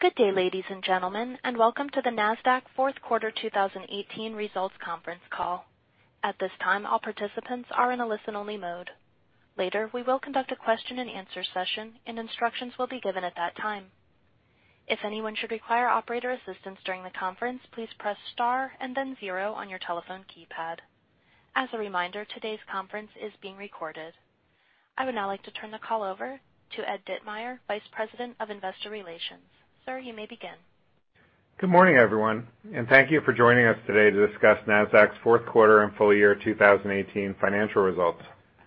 Good day, ladies and gentlemen, and welcome to the Nasdaq fourth quarter 2018 results conference call. At this time, all participants are in a listen-only mode. Later, we will conduct a question and answer session, and instructions will be given at that time. If anyone should require operator assistance during the conference, please press star and then zero on your telephone keypad. As a reminder, today's conference is being recorded. I would now like to turn the call over to Ed Ditmire, Vice President of Investor Relations. Sir, you may begin. Good morning, everyone, and thank you for joining us today to discuss Nasdaq's fourth quarter and full year 2018 financial results.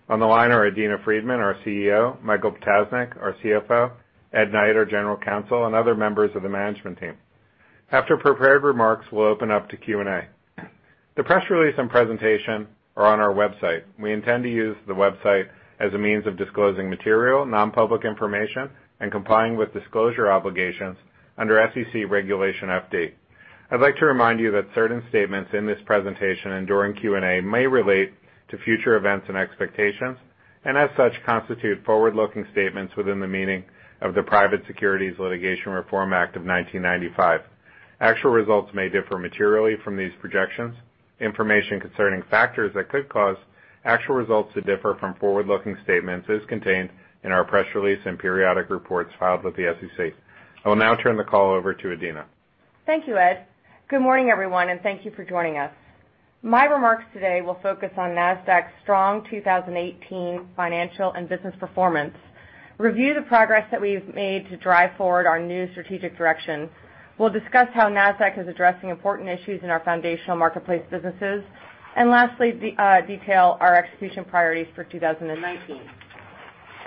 On the line are Adena Friedman, our CEO, Michael Ptasznik, our CFO, Ed Knight, our General Counsel, and other members of the management team. After prepared remarks, we'll open up to Q&A. The press release and presentation are on our website. We intend to use the website as a means of disclosing material, non-public information and complying with disclosure obligations under SEC Regulation FD. I'd like to remind you that certain statements in this presentation and during Q&A may relate to future events and expectations, and as such, constitute forward-looking statements within the meaning of the Private Securities Litigation Reform Act of 1995. Actual results may differ materially from these projections. Information concerning factors that could cause actual results to differ from forward-looking statements is contained in our press release and periodic reports filed with the SEC. I will now turn the call over to Adena. Thank you, Ed. Good morning, everyone, and thank you for joining us. My remarks today will focus on Nasdaq's strong 2018 financial and business performance. Review the progress that we've made to drive forward our new strategic direction. We'll discuss how Nasdaq is addressing important issues in our foundational marketplace businesses, and lastly, detail our execution priorities for 2019.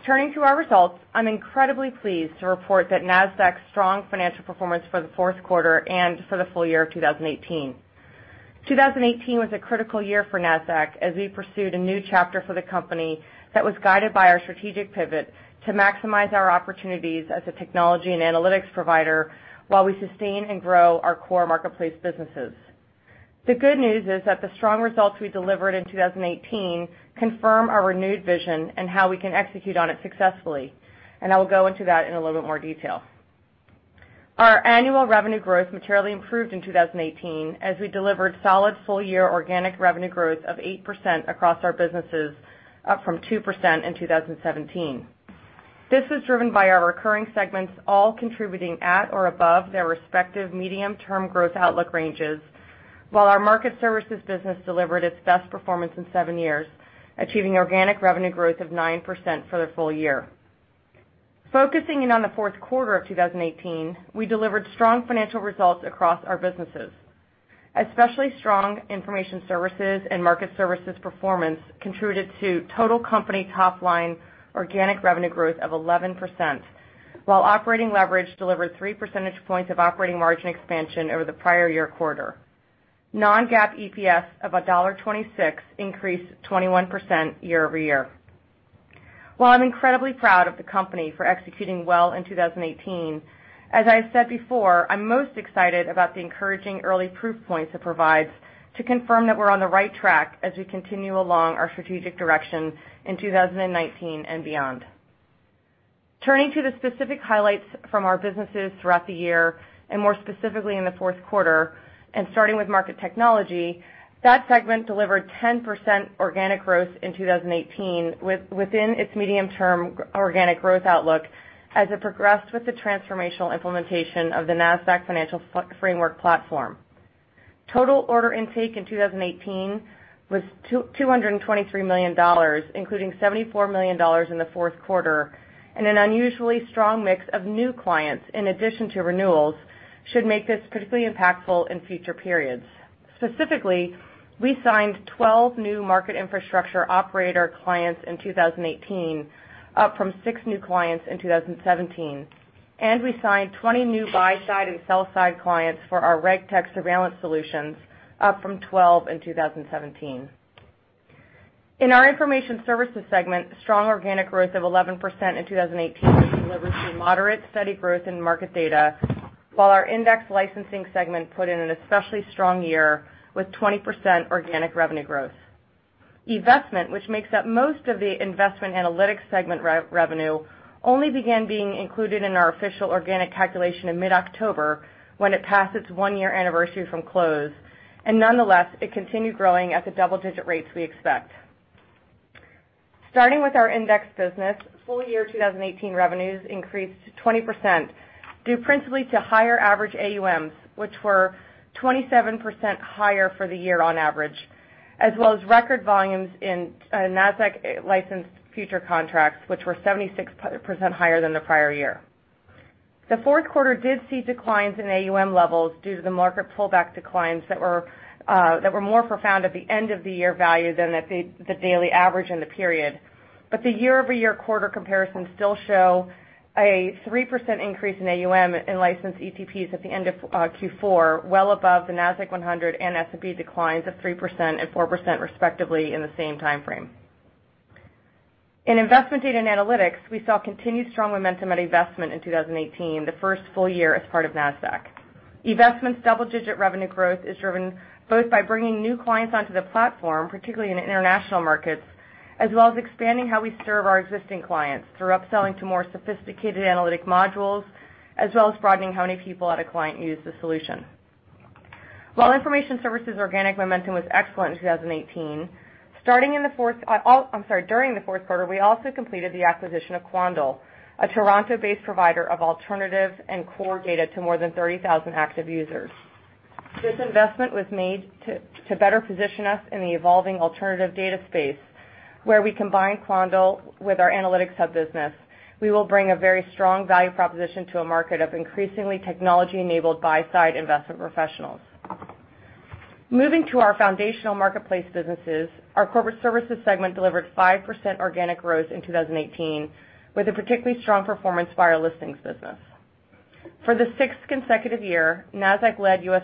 Turning to our results, I'm incredibly pleased to report that Nasdaq's strong financial performance for the fourth quarter and for the full year of 2018. 2018 was a critical year for Nasdaq as we pursued a new chapter for the company that was guided by our strategic pivot to maximize our opportunities as a technology and analytics provider while we sustain and grow our core marketplace businesses. The good news is that the strong results we delivered in 2018 confirm our renewed vision and how we can execute on it successfully. I will go into that in a little bit more detail. Our annual revenue growth materially improved in 2018 as we delivered solid full-year organic revenue growth of 8% across our businesses, up from 2% in 2017. This was driven by our recurring segments all contributing at or above their respective medium-term growth outlook ranges, while our Market Services business delivered its best performance in seven years, achieving organic revenue growth of 9% for the full year. Focusing in on the fourth quarter of 2018, we delivered strong financial results across our businesses, especially strong Information Services and Market Services performance contributed to total company top-line organic revenue growth of 11%, while operating leverage delivered 3 percentage points of operating margin expansion over the prior year quarter. Non-GAAP EPS of $1.26 increased 21% year-over-year. While I'm incredibly proud of the company for executing well in 2018, as I've said before, I'm most excited about the encouraging early proof points it provides to confirm that we're on the right track as we continue along our strategic direction in 2019 and beyond. Turning to the specific highlights from our businesses throughout the year, and more specifically in the fourth quarter, and starting with Market Technology, that segment delivered 10% organic growth in 2018 within its medium-term organic growth outlook as it progressed with the transformational implementation of the Nasdaq Financial Framework platform. Total order intake in 2018 was $223 million, including $74 million in the fourth quarter, and an unusually strong mix of new clients, in addition to renewals, should make this particularly impactful in future periods. Specifically, we signed 12 new market infrastructure operator clients in 2018, up from six new clients in 2017. We signed 20 new buy-side and sell-side clients for our RegTech surveillance solutions, up from 12 in 2017. In our Information Services segment, strong organic growth of 11% in 2018 was delivered through moderate, steady growth in market data, while our index licensing segment put in an especially strong year with 20% organic revenue growth. eVestment, which makes up most of the investment analytics segment revenue, only began being included in our official organic calculation in mid-October when it passed its one-year anniversary from close, and nonetheless, it continued growing at the double-digit rates we expect. Starting with our index business, full year 2018 revenues increased to 20% due principally to higher average AUMs, which were 27% higher for the year on average, as well as record volumes in Nasdaq licensed future contracts, which were 76% higher than the prior year. The fourth quarter did see declines in AUM levels due to the market pullback declines that were more profound at the end of the year value than at the daily average in the period. But the year-over-year quarter comparisons still show a 3% increase in AUM in licensed ETPs at the end of Q4, well above the Nasdaq-100 and S&P declines of 3% and 4% respectively in the same timeframe. In investment data and analytics, we saw continued strong momentum at eVestment in 2018, the first full year as part of Nasdaq. eVestment's double-digit revenue growth is driven both by bringing new clients onto the platform, particularly in international markets, as well as expanding how we serve our existing clients through upselling to more sophisticated analytic modules, as well as broadening how many people at a client use the solution. While Information Services organic momentum was excellent in 2018, during the fourth quarter, we also completed the acquisition of Quandl, a Toronto-based provider of alternative and core data to more than 30,000 active users. This investment was made to better position us in the evolving alternative data space, where we combine Quandl with our analytics hub business. We will bring a very strong value proposition to a market of increasingly technology-enabled buy side investment professionals. Moving to our foundational marketplace businesses, our Corporate Services segment delivered 5% organic growth in 2018, with a particularly strong performance by our listings business. For the sixth consecutive year, Nasdaq led U.S.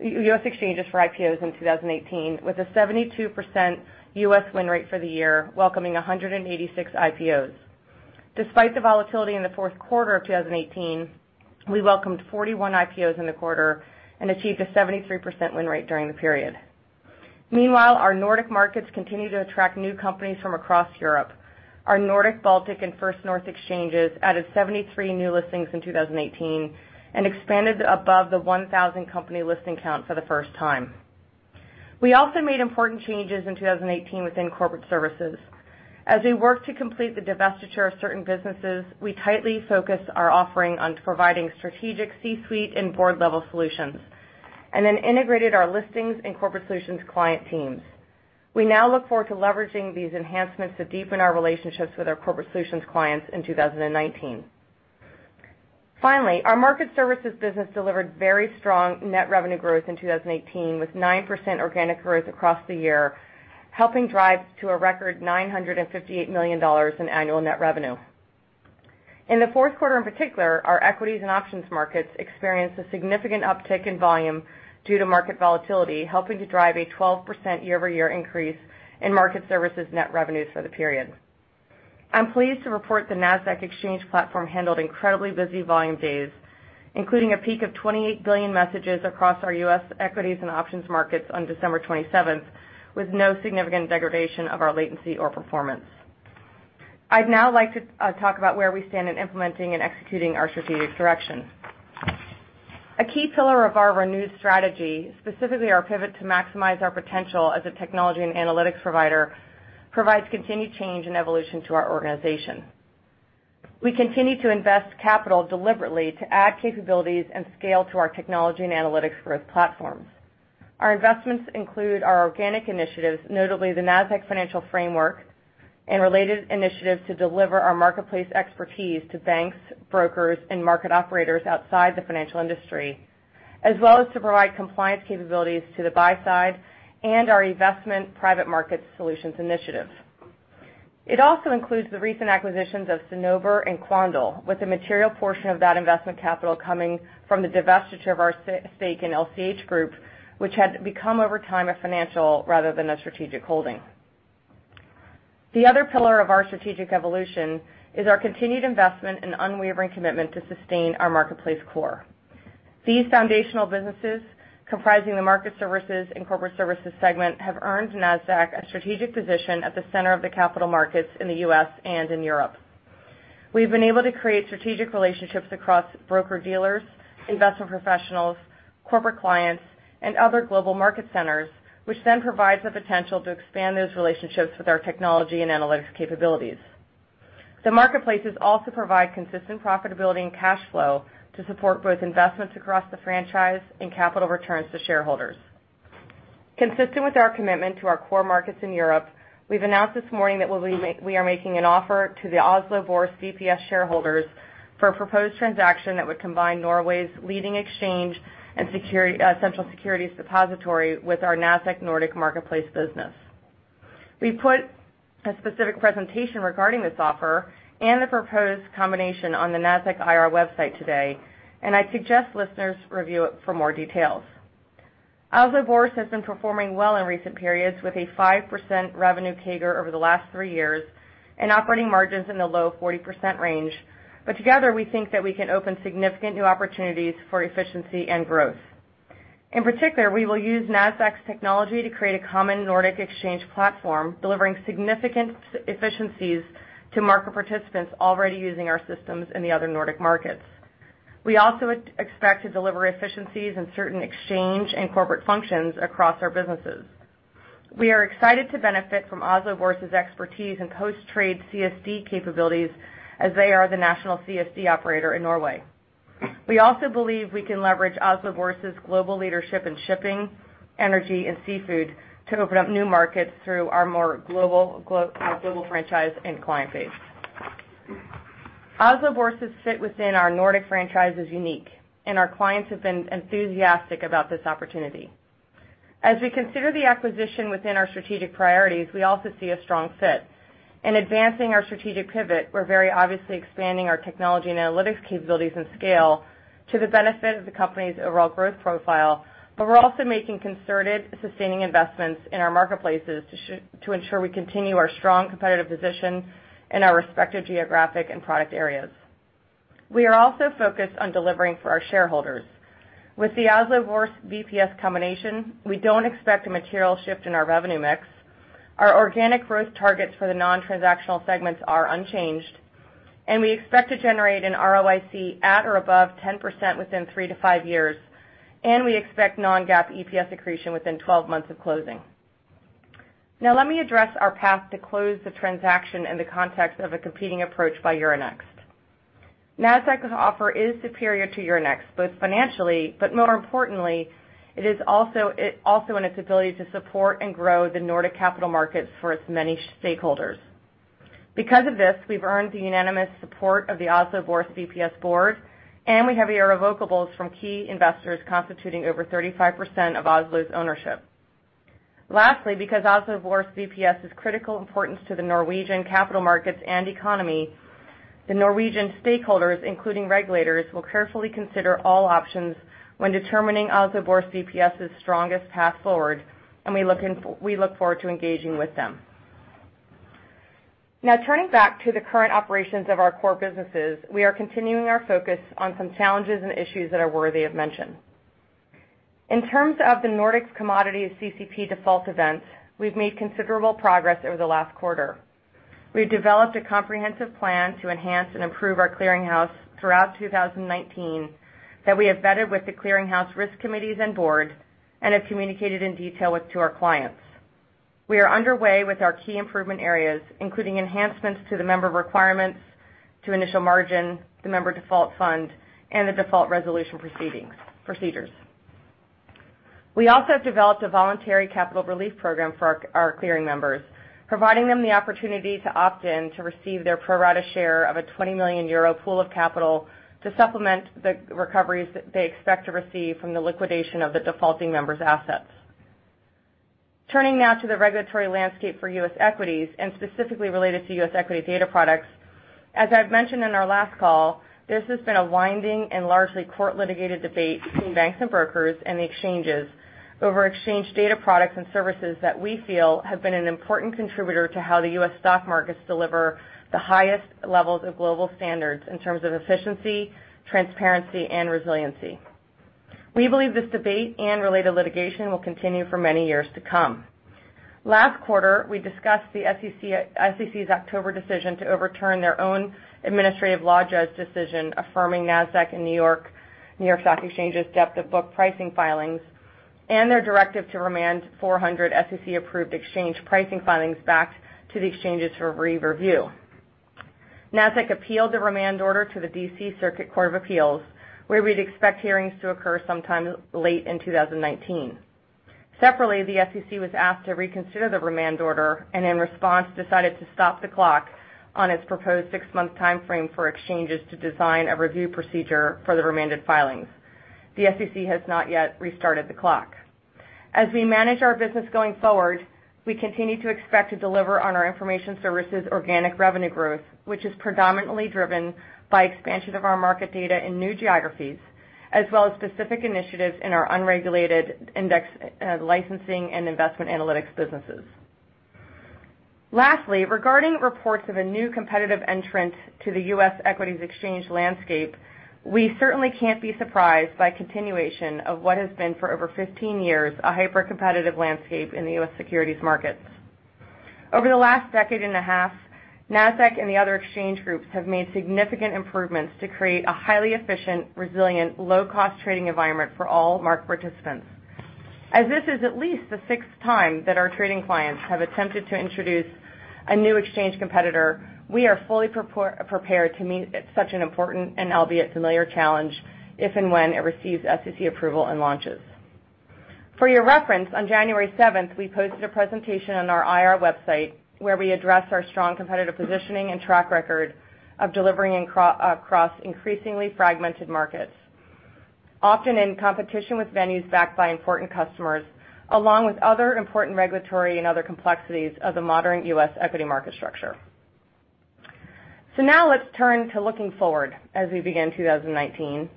exchanges for IPOs in 2018 with a 72% U.S. win rate for the year, welcoming 186 IPOs. Despite the volatility in the fourth quarter of 2018, we welcomed 41 IPOs in the quarter and achieved a 73% win rate during the period. Our Nordic markets continue to attract new companies from across Europe. Our Nordic, Baltic, and Nasdaq First North exchanges added 73 new listings in 2018 and expanded above the 1,000-company listing count for the first time. We also made important changes in 2018 within Corporate Services. As we work to complete the divestiture of certain businesses, we tightly focus our offering on providing strategic C-suite and board-level solutions, and then integrated our listings and Corporate Solutions client teams. We now look forward to leveraging these enhancements to deepen our relationships with our Corporate Solutions clients in 2019. Finally, our Market Services business delivered very strong net revenue growth in 2018, with 9% organic growth across the year, helping drive to a record $958 million in annual net revenue. In the fourth quarter in particular, our equities and options markets experienced a significant uptick in volume due to market volatility, helping to drive a 12% year-over-year increase in Market Services net revenues for the period. I'm pleased to report the Nasdaq exchange platform handled incredibly busy volume days, including a peak of 28 billion messages across our U.S. equities and options markets on December 27th, with no significant degradation of our latency or performance. I'd now like to talk about where we stand in implementing and executing our strategic direction. A key pillar of our renewed strategy, specifically our pivot to maximize our potential as a technology and analytics provider, provides continued change and evolution to our organization. We continue to invest capital deliberately to add capabilities and scale to our technology and analytics growth platforms. Our investments include our organic initiatives, notably the Nasdaq Financial Framework and related initiatives, to deliver our marketplace expertise to banks, brokers, and market operators outside the financial industry, as well as to provide compliance capabilities to the buy side and our investment private markets solutions initiative. It also includes the recent acquisitions of Cinnober and Quandl, with a material portion of that investment capital coming from the divestiture of our stake in LCH Group, which had become over time a financial rather than a strategic holding. The other pillar of our strategic evolution is our continued investment and unwavering commitment to sustain our marketplace core. These foundational businesses, comprising the Market Services and Corporate Services segment, have earned Nasdaq a strategic position at the center of the capital markets in the U.S. and in Europe. We've been able to create strategic relationships across broker-dealers, investment professionals, corporate clients, and other global market centers, which then provides the potential to expand those relationships with our technology and analytics capabilities. The marketplaces also provide consistent profitability and cash flow to support both investments across the franchise and capital returns to shareholders. Consistent with our commitment to our core markets in Europe, we've announced this morning that we are making an offer to the Oslo Børs VPS shareholders for a proposed transaction that would combine Norway's leading exchange and central securities depository with our Nasdaq Nordic marketplace business. We put a specific presentation regarding this offer and the proposed combination on the Nasdaq IR website today, I'd suggest listeners review it for more details. Oslo Børs has been performing well in recent periods, with a 5% revenue CAGR over the last three years and operating margins in the low 40% range. Together, we think that we can open significant new opportunities for efficiency and growth. In particular, we will use Nasdaq's technology to create a common Nordic exchange platform, delivering significant efficiencies to market participants already using our systems in the other Nordic markets. We also expect to deliver efficiencies in certain exchange and corporate functions across our businesses. We are excited to benefit from Oslo Børs' expertise in post-trade CSD capabilities, as they are the national CSD operator in Norway. We also believe we can leverage Oslo Børs' global leadership in shipping, energy, and seafood to open up new markets through our more global franchise and client base. Oslo Børs' fit within our Nordic franchise is unique, our clients have been enthusiastic about this opportunity. As we consider the acquisition within our strategic priorities, we also see a strong fit. In advancing our strategic pivot, we're very obviously expanding our technology and analytics capabilities and scale to the benefit of the company's overall growth profile. We're also making concerted, sustaining investments in our marketplaces to ensure we continue our strong competitive position in our respective geographic and product areas. We are also focused on delivering for our shareholders. With the Oslo Børs VPS combination, we don't expect a material shift in our revenue mix. Our organic growth targets for the non-transactional segments are unchanged, and we expect to generate an ROIC at or above 10% within three to five years, and we expect non-GAAP EPS accretion within 12 months of closing. Let me address our path to close the transaction in the context of a competing approach by Euronext. Nasdaq's offer is superior to Euronext, both financially, more importantly, it is also in its ability to support and grow the Nordic capital markets for its many stakeholders. Because of this, we've earned the unanimous support of the Oslo Børs VPS board, we have irrevocables from key investors constituting over 35% of Oslo's ownership. Lastly, because Oslo Børs VPS is critical importance to the Norwegian capital markets and economy, the Norwegian stakeholders, including regulators, will carefully consider all options when determining Oslo Børs VPS's strongest path forward, we look forward to engaging with them. Turning back to the current operations of our core businesses, we are continuing our focus on some challenges and issues that are worthy of mention. In terms of the Nordics commodities CCP default events, we've made considerable progress over the last quarter. We've developed a comprehensive plan to enhance and improve our clearinghouse throughout 2019 that we have vetted with the clearinghouse risk committees and board, and have communicated in detail to our clients. We are underway with our key improvement areas, including enhancements to the member requirements to initial margin, the member default fund, and the default resolution procedures. We also have developed a voluntary capital relief program for our clearing members, providing them the opportunity to opt in to receive their pro rata share of a 20 million euro pool of capital to supplement the recoveries that they expect to receive from the liquidation of the defaulting members' assets. Turning now to the regulatory landscape for U.S. equities and specifically related to U.S. equity data products. As I've mentioned in our last call, this has been a winding and largely court-litigated debate between banks and brokers and the exchanges over exchange data products and services that we feel have been an important contributor to how the U.S. stock markets deliver the highest levels of global standards in terms of efficiency, transparency, and resiliency. We believe this debate and related litigation will continue for many years to come. Last quarter, we discussed the SEC's October decision to overturn their own administrative law judge decision affirming Nasdaq and New York Stock Exchange's depth of book pricing filings and their directive to remand 400 SEC-approved exchange pricing filings back to the exchanges for re-review. Nasdaq appealed the remand order to the D.C. Circuit Court of Appeals, where we'd expect hearings to occur sometime late in 2019. Separately, the SEC was asked to reconsider the remand order and in response, decided to stop the clock on its proposed six-month timeframe for exchanges to design a review procedure for the remanded filings. The SEC has not yet restarted the clock. As we manage our business going forward, we continue to expect to deliver on our Information Services organic revenue growth, which is predominantly driven by expansion of our market data in new geographies, as well as specific initiatives in our unregulated index licensing and investment analytics businesses. Lastly, regarding reports of a new competitive entrant to the U.S. equities exchange landscape, we certainly can't be surprised by continuation of what has been for over 15 years, a hyper-competitive landscape in the U.S. securities markets. Over the last decade and a half, Nasdaq and the other exchange groups have made significant improvements to create a highly efficient, resilient, low-cost trading environment for all market participants. As this is at least the sixth time that our trading clients have attempted to introduce a new exchange competitor, we are fully prepared to meet such an important and albeit familiar challenge if and when it receives SEC approval and launches. For your reference, on January 7th, we posted a presentation on our IR website where we address our strong competitive positioning and track record of delivering across increasingly fragmented markets, often in competition with venues backed by important customers, along with other important regulatory and other complexities of the modern U.S. equity market structure. Now let's turn to looking forward as we begin 2019,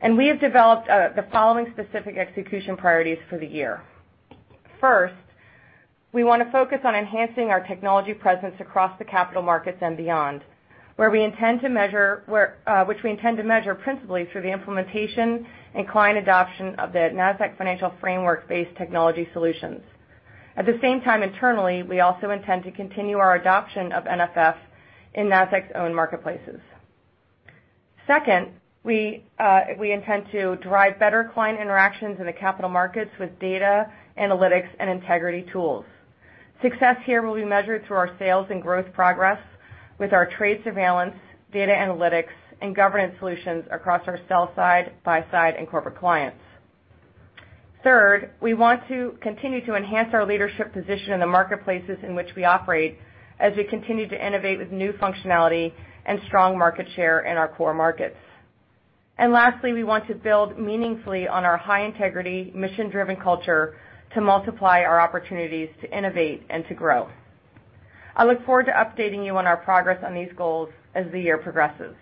and we have developed the following specific execution priorities for the year. First, we want to focus on enhancing our technology presence across the capital markets and beyond, which we intend to measure principally through the implementation and client adoption of the Nasdaq Financial Framework-based technology solutions. At the same time, internally, we also intend to continue our adoption of NFF in Nasdaq's own marketplaces. Second, we intend to drive better client interactions in the capital markets with data, analytics, and integrity tools. Success here will be measured through our sales and growth progress with our trade surveillance, data analytics, and governance solutions across our sell side, buy side, and corporate clients. Third, we want to continue to enhance our leadership position in the marketplaces in which we operate as we continue to innovate with new functionality and strong market share in our core markets. Lastly, we want to build meaningfully on our high-integrity, mission-driven culture to multiply our opportunities to innovate and to grow. I look forward to updating you on our progress on these goals as the year progresses.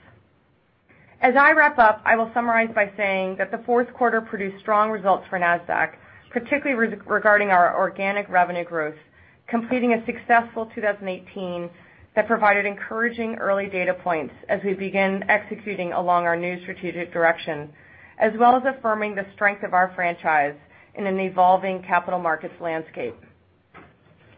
As I wrap up, I will summarize by saying that the fourth quarter produced strong results for Nasdaq, particularly regarding our organic revenue growth, completing a successful 2018 that provided encouraging early data points as we begin executing along our new strategic direction, as well as affirming the strength of our franchise in an evolving capital markets landscape.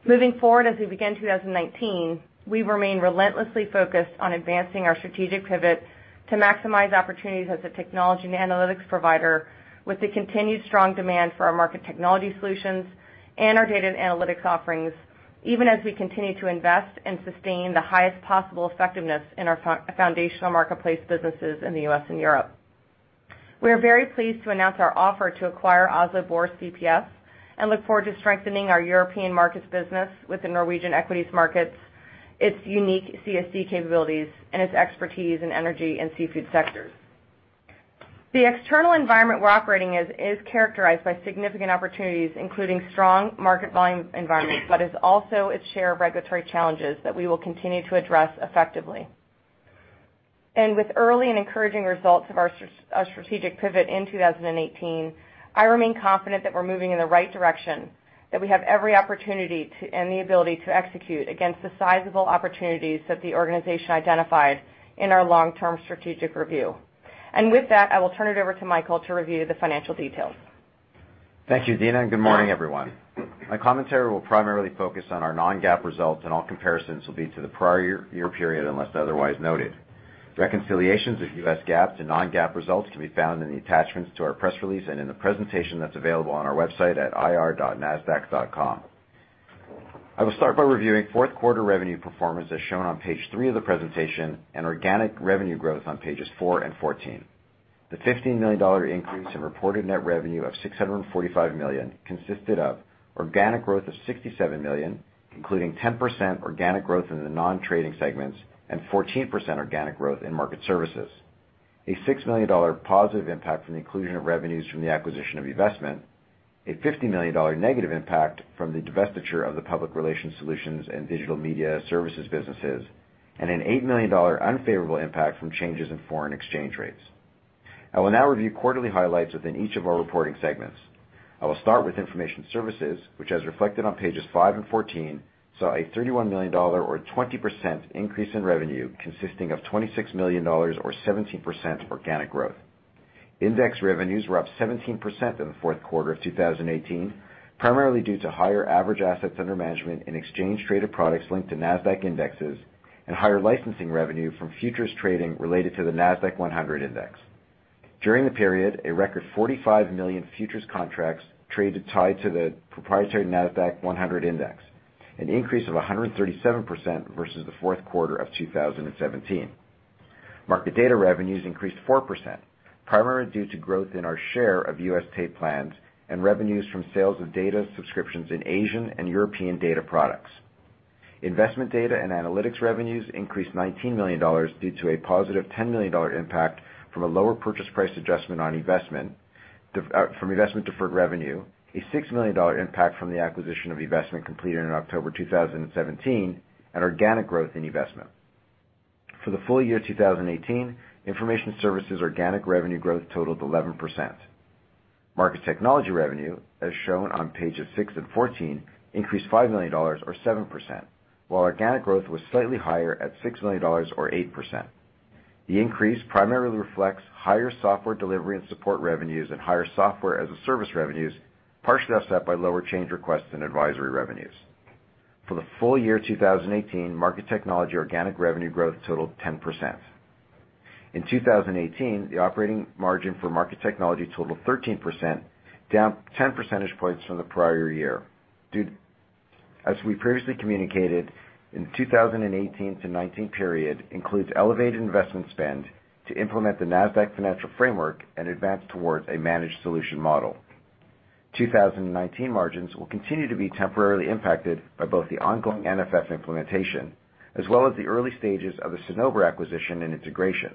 Moving forward, as we begin 2019, we remain relentlessly focused on advancing our strategic pivot to maximize opportunities as a technology and analytics provider with the continued strong demand for our Market Technology solutions and our data and analytics offerings, even as we continue to invest and sustain the highest possible effectiveness in our foundational marketplace businesses in the U.S. and Europe. We are very pleased to announce our offer to acquire Oslo Børs VPS, and look forward to strengthening our European markets business with the Norwegian equities markets, its unique CSD capabilities, and its expertise in energy and seafood sectors. The external environment we're operating in is characterized by significant opportunities, including strong market volume environments, has also its share of regulatory challenges that we will continue to address effectively. With early and encouraging results of our strategic pivot in 2018, I remain confident that we're moving in the right direction, that we have every opportunity to, and the ability to execute against the sizable opportunities that the organization identified in our long-term strategic review. With that, I will turn it over to Michael to review the financial details. Thank you, Adena, and good morning, everyone. My commentary will primarily focus on our non-GAAP results, and all comparisons will be to the prior year period, unless otherwise noted. Reconciliations of U.S. GAAP to non-GAAP results can be found in the attachments to our press release and in the presentation that's available on our website at ir.nasdaq.com. I will start by reviewing fourth quarter revenue performance as shown on page three of the presentation and organic revenue growth on pages four and 14. The $15 million increase in reported net revenue of $645 million consisted of organic growth of $67 million, including 10% organic growth in the non-trading segments and 14% organic growth in Market Services. A $6 million positive impact from the inclusion of revenues from the acquisition of eVestment, a $50 million negative impact from the divestiture of the Public Relations Solutions and Digital Media Services businesses, and an $8 million unfavorable impact from changes in foreign exchange rates. I will now review quarterly highlights within each of our reporting segments. I will start with Information Services, which, as reflected on pages five and 14, saw a $31 million or 20% increase in revenue, consisting of $26 million or 17% organic growth. Index revenues were up 17% in the fourth quarter of 2018, primarily due to higher average assets under management in exchange traded products linked to Nasdaq indexes and higher licensing revenue from futures trading related to the Nasdaq-100 index. During the period, a record 45 million futures contracts traded tied to the proprietary Nasdaq-100 index, an increase of 137% versus the fourth quarter of 2017. Market Data revenues increased 4%, primarily due to growth in our share of U.S. tape plans and revenues from sales of data subscriptions in Asian and European data products. Investment Data and Analytics revenues increased $19 million due to a positive $10 million impact from a lower purchase price adjustment on eVestment, from eVestment deferred revenue, a $6 million impact from the acquisition of eVestment completed in October 2017, and organic growth in eVestment. For the full year 2018, Information Services organic revenue growth totaled 11%. Market Technology revenue, as shown on pages six and 14, increased $5 million or 7%, while organic growth was slightly higher at $6 million or 8%. The increase primarily reflects higher software delivery and support revenues and higher software as a service revenues, partially offset by lower change requests and advisory revenues. For the full year 2018, Market Technology organic revenue growth totaled 10%. In 2018, the operating margin for Market Technology totaled 13%, down 10 percentage points from the prior year. As we previously communicated, the 2018-2019 period includes elevated investment spend to implement the Nasdaq Financial Framework and advance towards a managed solution model. 2019 margins will continue to be temporarily impacted by both the ongoing NFF implementation as well as the early stages of the Cinnober acquisition and integration.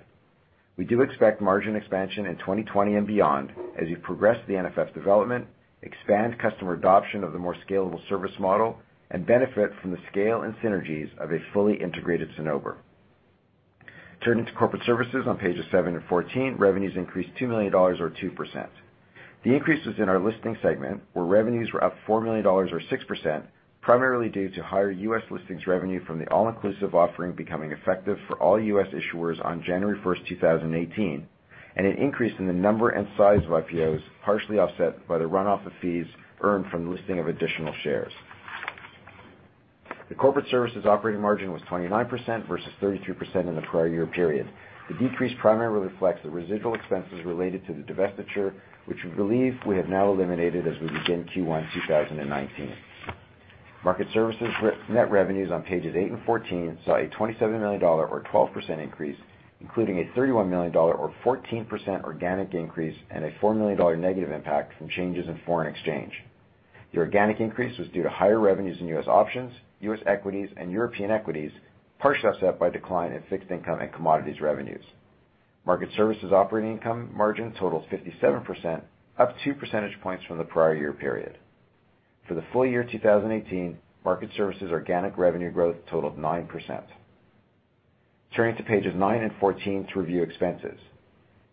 We do expect margin expansion in 2020 and beyond as we progress the NFF development, expand customer adoption of the more scalable service model, and benefit from the scale and synergies of a fully integrated Cinnober. Turning to corporate services on pages seven to 14, revenues increased $2 million or 2%. The increase was in our listing segment, where revenues were up $4 million or 6%, primarily due to higher U.S. listings revenue from the all-inclusive offering becoming effective for all U.S. issuers on January 1st, 2018, and an increase in the number and size of IPOs, partially offset by the run-off of fees earned from the listing of additional shares. The corporate services operating margin was 29% versus 32% in the prior year period. The decrease primarily reflects the residual expenses related to the divestiture, which we believe we have now eliminated as we begin Q1 2019. Market services net revenues on pages eight and 14 saw a $27 million or 12% increase, including a $31 million or 14% organic increase and a $4 million negative impact from changes in foreign exchange. The organic increase was due to higher revenues in U.S. options, U.S. equities, and European equities, partially offset by decline in fixed income and commodities revenues. Market services operating income margin totaled 57%, up 2 percentage points from the prior year period. For the full year 2018, Market Services organic revenue growth totaled 9%. Turning to pages nine and 14 to review expenses.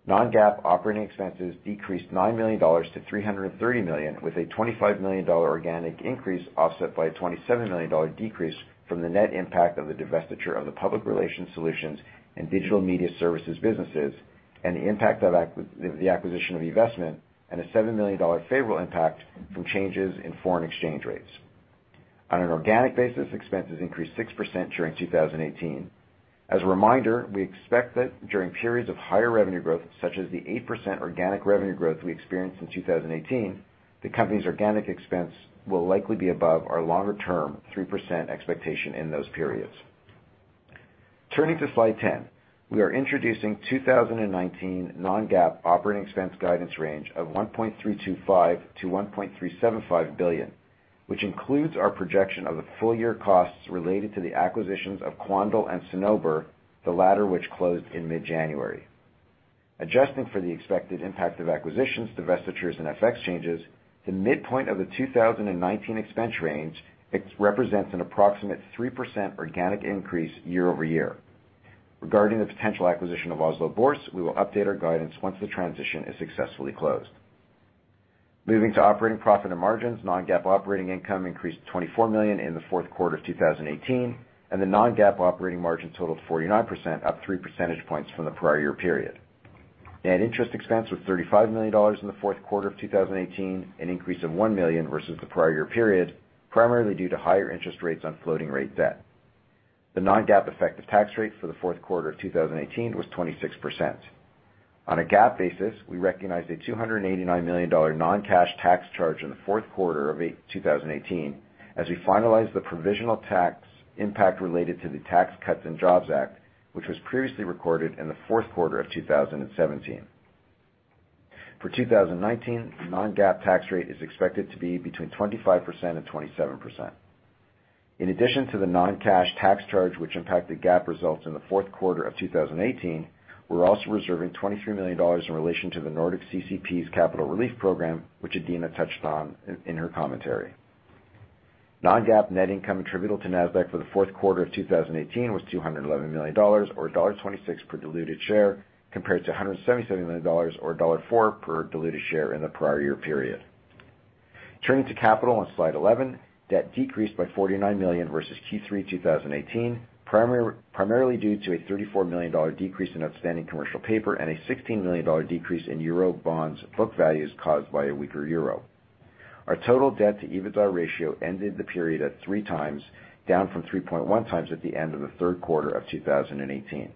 Non-GAAP operating expenses decreased $9 million to $330 million, with a $25 million organic increase offset by a $27 million decrease from the net impact of the divestiture of the public relations solutions and digital media services businesses, and the impact of the acquisition of eVestment, and a $7 million favorable impact from changes in foreign exchange rates. On an organic basis, expenses increased 6% during 2018. As a reminder, we expect that during periods of higher revenue growth, such as the 8% organic revenue growth we experienced in 2018, the company's organic expense will likely be above our longer-term 3% expectation in those periods. Turning to slide 10. We are introducing 2019 non-GAAP operating expense guidance range of $1.325 billion-$1.375 billion, which includes our projection of the full-year costs related to the acquisitions of Quandl and Cinnober, the latter which closed in mid-January. Adjusting for the expected impact of acquisitions, divestitures, and FX changes, the midpoint of the 2019 expense range represents an approximate 3% organic increase year-over-year. Regarding the potential acquisition of Oslo Børs, we will update our guidance once the transition is successfully closed. Moving to operating profit and margins, non-GAAP operating income increased to $24 million in the fourth quarter of 2018, and the non-GAAP operating margin totaled 49%, up 3 percentage points from the prior year period. Net interest expense was $35 million in the fourth quarter of 2018, an increase of $1 million versus the prior year period, primarily due to higher interest rates on floating rate debt. The non-GAAP effective tax rate for the fourth quarter of 2018 was 26%. On a GAAP basis, we recognized a $289 million non-cash tax charge in the fourth quarter of 2018, as we finalized the provisional tax impact related to the Tax Cuts and Jobs Act, which was previously recorded in the fourth quarter of 2017. For 2019, the non-GAAP tax rate is expected to be between 25% and 27%. In addition to the non-cash tax charge which impacted GAAP results in the fourth quarter of 2018, we're also reserving $23 million in relation to the Nordic CCP's capital relief program, which Adena touched on in her commentary. Non-GAAP net income attributable to Nasdaq for the fourth quarter of 2018 was $211 million, or $1.26 per diluted share, compared to $177 million or $1.04 per diluted share in the prior year period. Turning to capital on slide 11, debt decreased by $49 million versus Q3 2018, primarily due to a $34 million decrease in outstanding commercial paper and a $16 million decrease in euro bonds book values caused by a weaker euro. Our total debt-to-EBITDA ratio ended the period at 3x, down from 3.1x at the end of the third quarter of 2018.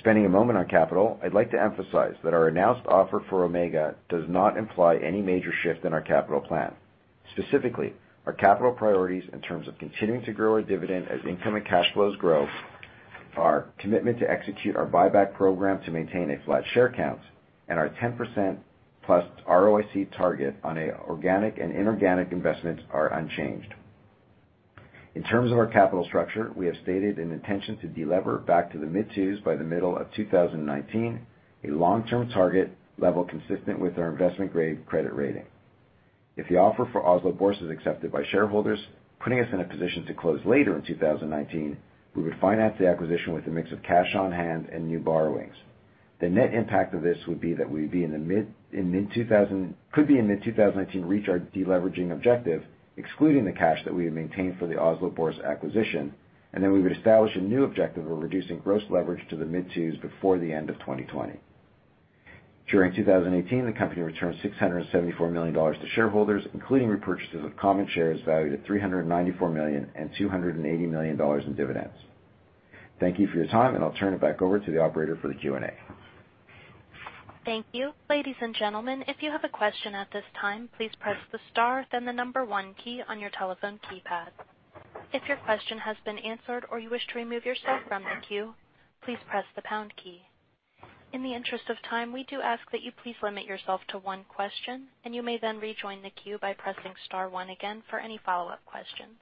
Spending a moment on capital, I'd like to emphasize that our announced offer for Omega does not imply any major shift in our capital plan. Specifically, our capital priorities in terms of continuing to grow our dividend as income and cash flows grow, our commitment to execute our buyback program to maintain a flat share count, and our 10%+ ROIC target on organic and inorganic investments are unchanged. In terms of our capital structure, we have stated an intention to de-lever back to the mid-twos by the middle of 2019, a long-term target level consistent with our investment-grade credit rating. If the offer for Oslo Børs is accepted by shareholders, putting us in a position to close later in 2019, we would finance the acquisition with a mix of cash on hand and new borrowings. The net impact of this would be that we could in mid-2019, reach our de-leveraging objective, excluding the cash that we had maintained for the Oslo Børs acquisition, and then we would establish a new objective of reducing gross leverage to the mid-twos before the end of 2020. During 2018, the company returned $674 million to shareholders, including repurchases of common shares valued at $394 million and $280 million in dividends. Thank you for your time, and I'll turn it back over to the operator for the Q&A. Thank you. Ladies and gentlemen, if you have a question at this time, please press the star then the number one key on your telephone keypad. If your question has been answered or you wish to remove yourself from the queue, please press the pound key. In the interest of time, we do ask that you please limit yourself to one question, and you may then rejoin the queue by pressing star one again for any follow-up questions.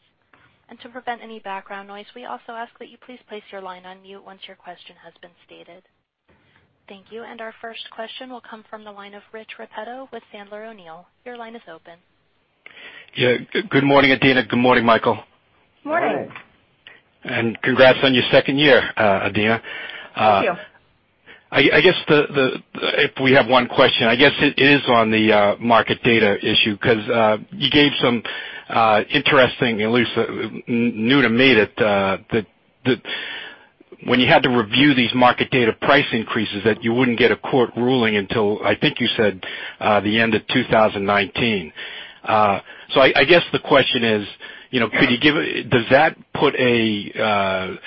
To prevent any background noise, we also ask that you please place your line on mute once your question has been stated. Thank you. Our first question will come from the line of Rich Repetto with Sandler O'Neill. Your line is open. Yeah. Good morning, Adena. Good morning, Michael. Morning. Good morning. Congrats on your second year, Adena. Thank you. If we have one question, I guess it is on the market data issue, because you gave some interesting, at least new to me, that when you had to review these market data price increases, that you wouldn't get a court ruling until, I think you said, the end of 2019. I guess the question is. Yeah. Does that put a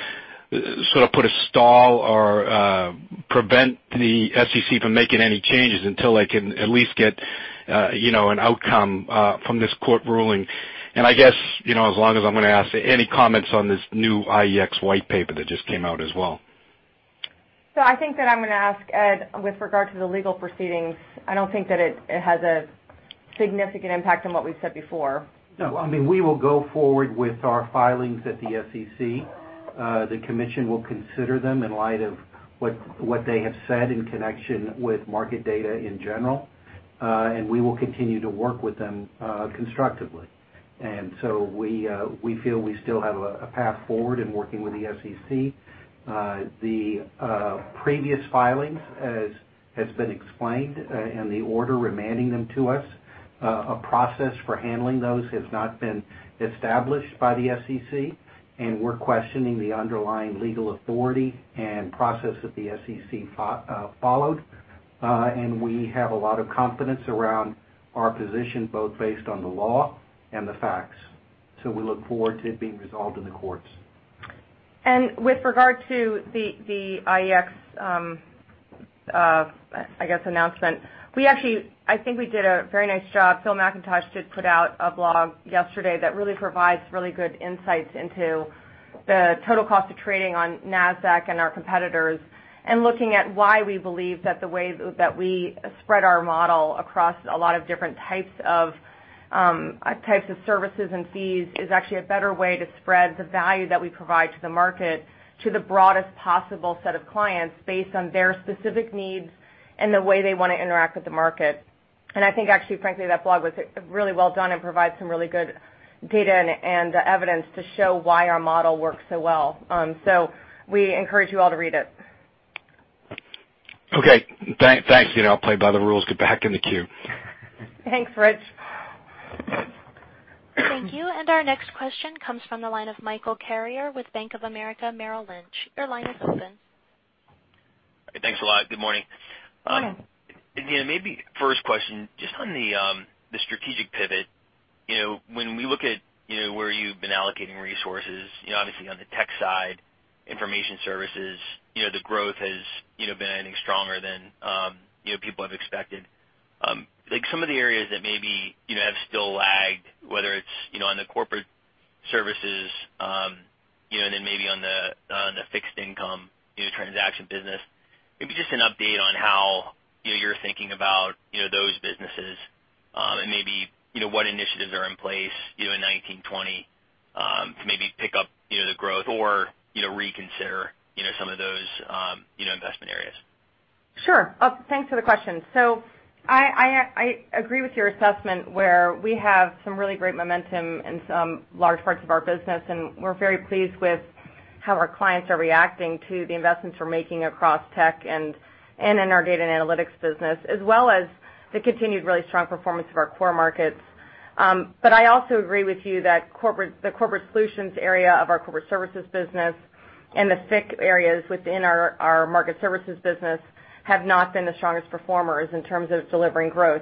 stall or prevent the SEC from making any changes until they can at least get an outcome from this court ruling? I guess, as long as I'm going to ask, any comments on this new IEX white paper that just came out as well? I think that I'm going to ask Ed with regard to the legal proceedings. I don't think that it has a significant impact on what we've said before. No. We will go forward with our filings at the SEC. The commission will consider them in light of what they have said in connection with market data in general, and we will continue to work with them constructively. We feel we still have a path forward in working with the SEC. The previous filings, as has been explained, and the order remanding them to us, a process for handling those has not been established by the SEC, and we're questioning the underlying legal authority and process that the SEC followed. We have a lot of confidence around our position, both based on the law and the facts. We look forward to it being resolved in the courts. With regard to the IEX, I guess, announcement, I think we did a very nice job. Phil Mackintosh did put out a blog yesterday that really provides really good insights into the total cost of trading on Nasdaq and our competitors, looking at why we believe that the way that we spread our model across a lot of different types of services and fees is actually a better way to spread the value that we provide to the market to the broadest possible set of clients based on their specific needs and the way they want to interact with the market. I think actually, frankly, that blog was really well done and provides some really good data and evidence to show why our model works so well. We encourage you all to read it. Okay. Thank you. I'll play by the rules, get back in the queue. Thanks, Rich. Thank you. Our next question comes from the line of Michael Carrier with Bank of America Merrill Lynch. Your line is open. Thanks a lot. Good morning. Good morning. Adena, maybe first question, just on the strategic pivot. When we look at where you've been allocating resources, obviously on the tech side, Information Services, the growth has been anything stronger than people have expected. Some of the areas that maybe have still lagged, whether it's on the Corporate Services, then maybe on the fixed income transaction business, maybe just an update on how you're thinking about those businesses. Maybe what initiatives are in place in 2019, 2020 to maybe pick up the growth or reconsider some of those investment areas. Sure. Thanks for the question. I agree with your assessment where we have some really great momentum in some large parts of our business. We're very pleased with how our clients are reacting to the investments we're making across tech and in our data and analytics business, as well as the continued really strong performance of our core markets. I also agree with you that the Corporate Solutions area of our Corporate Services business and the FICC areas within our Market Services business have not been the strongest performers in terms of delivering growth.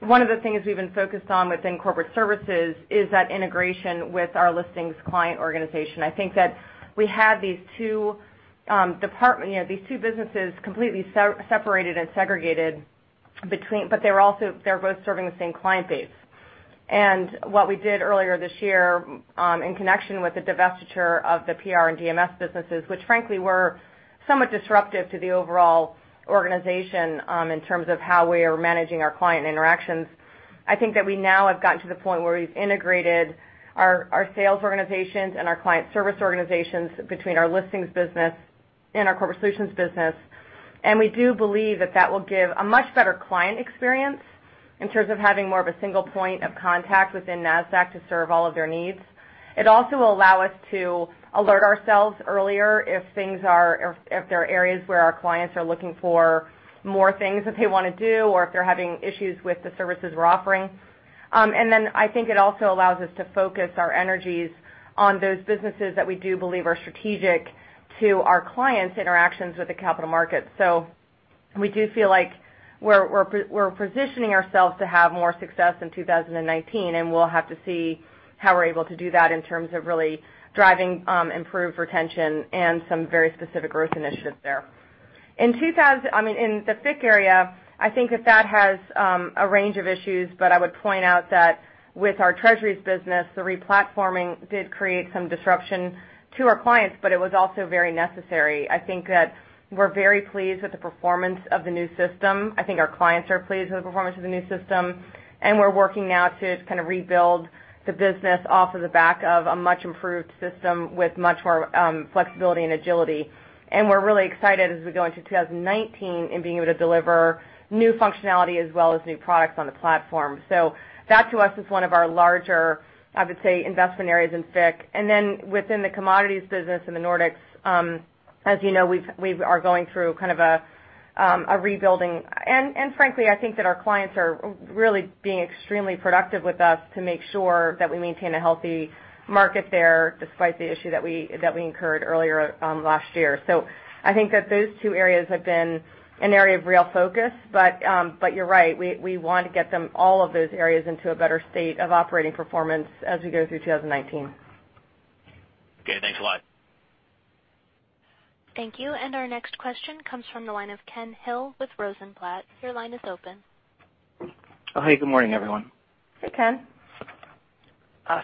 One of the things we've been focused on within Corporate Services is that integration with our Listings client organization. I think that we had these two businesses completely separated and segregated between. They're both serving the same client base. What we did earlier this year, in connection with the divestiture of the PR and DMS businesses, which frankly were somewhat disruptive to the overall organization in terms of how we are managing our client interactions. I think that we now have gotten to the point where we've integrated our sales organizations and our client service organizations between our listings business and our Corporate Solutions business. We do believe that that will give a much better client experience in terms of having more of a single point of contact within Nasdaq to serve all of their needs. It also will allow us to alert ourselves earlier if there are areas where our clients are looking for more things that they want to do or if they're having issues with the services we're offering. I think it also allows us to focus our energies on those businesses that we do believe are strategic to our clients' interactions with the capital markets. We do feel like we're positioning ourselves to have more success in 2019, and we'll have to see how we're able to do that in terms of really driving improved retention and some very specific growth initiatives there. In the FICC area, I think that that has a range of issues, but I would point out that with our treasuries business, the re-platforming did create some disruption to our clients, but it was also very necessary. I think that we're very pleased with the performance of the new system. I think our clients are pleased with the performance of the new system, and we're working now to kind of rebuild the business off of the back of a much-improved system with much more flexibility and agility. We're really excited as we go into 2019 in being able to deliver new functionality as well as new products on the platform. That to us is one of our larger, I would say, investment areas in FICC. Within the commodities business in the Nordics, as you know, we are going through kind of a rebuilding. Frankly, I think that our clients are really being extremely productive with us to make sure that we maintain a healthy market there, despite the issue that we incurred earlier last year. I think that those two areas have been an area of real focus. You're right, we want to get all of those areas into a better state of operating performance as we go through 2019. Okay, thanks a lot. Thank you. Our next question comes from the line of Ken Hill with Rosenblatt. Your line is open. Hey, good morning, everyone. Hey, Ken.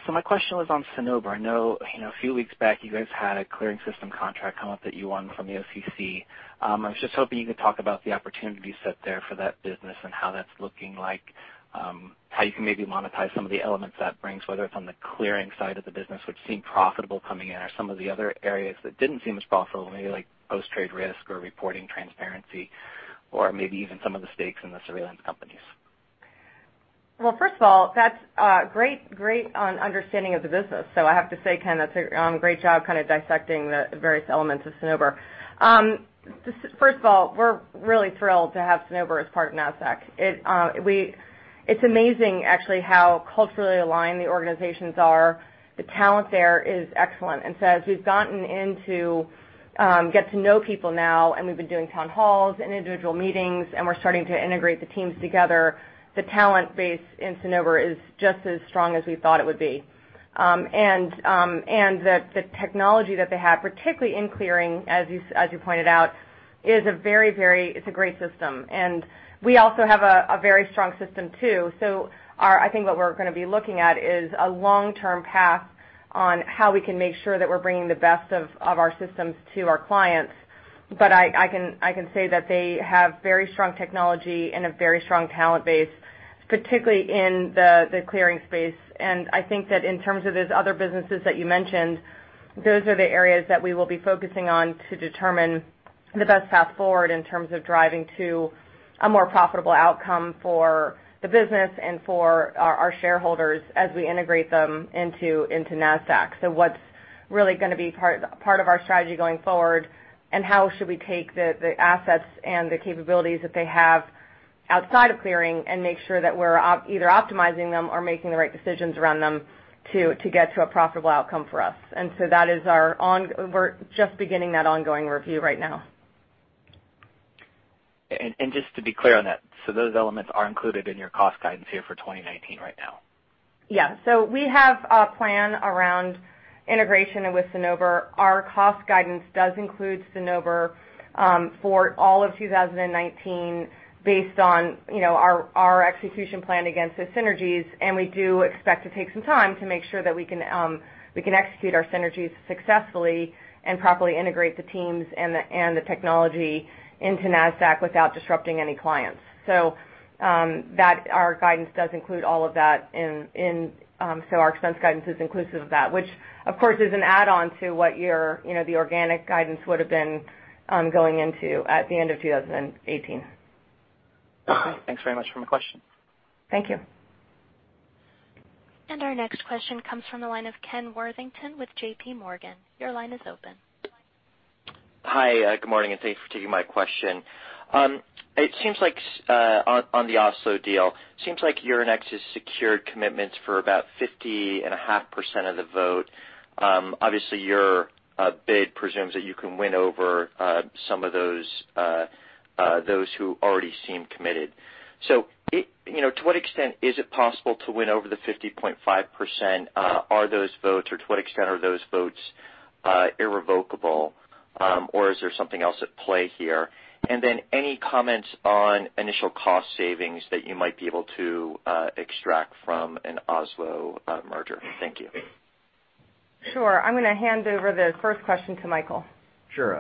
My question was on Cinnober. I know a few weeks back, you guys had a clearing system contract come up that you won from the OCC. I was just hoping you could talk about the opportunity set there for that business and how that's looking like, how you can maybe monetize some of the elements that brings, whether it's on the clearing side of the business, which seemed profitable coming in, or some of the other areas that didn't seem as profitable, maybe like post-trade risk or reporting transparency. Maybe even some of the stakes in the surveillance companies. First of all, that's great on understanding of the business. I have to say, Ken, that's a great job kind of dissecting the various elements of Cinnober. First of all, we're really thrilled to have Cinnober as part of Nasdaq. It's amazing actually how culturally aligned the organizations are. The talent there is excellent. As we've gotten in to get to know people now, we've been doing town halls and individual meetings, we're starting to integrate the teams together, the talent base in Cinnober is just as strong as we thought it would be. The technology that they have, particularly in clearing, as you pointed out, it's a great system. We also have a very strong system too. I think what we're going to be looking at is a long-term path on how we can make sure that we're bringing the best of our systems to our clients. I can say that they have very strong technology and a very strong talent base, particularly in the clearing space. I think that in terms of those other businesses that you mentioned, those are the areas that we will be focusing on to determine the best path forward in terms of driving to a more profitable outcome for the business and for our shareholders as we integrate them into Nasdaq. What's really going to be part of our strategy going forward, and how should we take the assets and the capabilities that they have outside of clearing and make sure that we're either optimizing them or making the right decisions around them to get to a profitable outcome for us. We're just beginning that ongoing review right now. Just to be clear on that, so those elements are included in your cost guidance here for 2019 right now? Yeah. We have a plan around integration with Cinnober. Our cost guidance does include Cinnober for all of 2019 based on our execution plan against the synergies, and we do expect to take some time to make sure that we can execute our synergies successfully and properly integrate the teams and the technology into Nasdaq without disrupting any clients. Our guidance does include all of that, so our expense guidance is inclusive of that, which of course, is an add-on to what the organic guidance would have been going into at the end of 2018. Okay. Thanks very much for my question. Thank you. Our next question comes from the line of Ken Worthington with JPMorgan. Your line is open. Hi, good morning, thank you for taking my question. On the Oslo deal, seems like Euronext has secured commitments for about 50.5% of the vote. Obviously, your bid presumes that you can win over some of those who already seem committed. To what extent is it possible to win over the 50.5%? To what extent are those votes irrevocable? Is there something else at play here? Then any comments on initial cost savings that you might be able to extract from an Oslo merger? Thank you. Sure. I'm going to hand over the first question to Michael. Sure.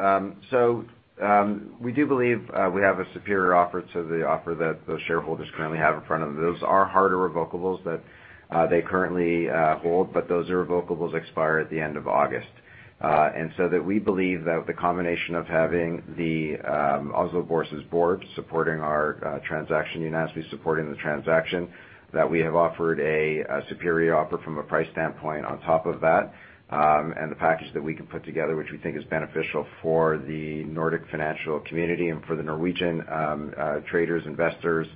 We do believe we have a superior offer to the offer that those shareholders currently have in front of them. Those are hard irrevocables that they currently hold, but those irrevocables expire at the end of August. We believe that the combination of having the Oslo Børs's board supporting our transaction unanimously, supporting the transaction, that we have offered a superior offer from a price standpoint on top of that, and the package that we can put together, which we think is beneficial for the Nordic Financial Community and for the Norwegian traders, investors,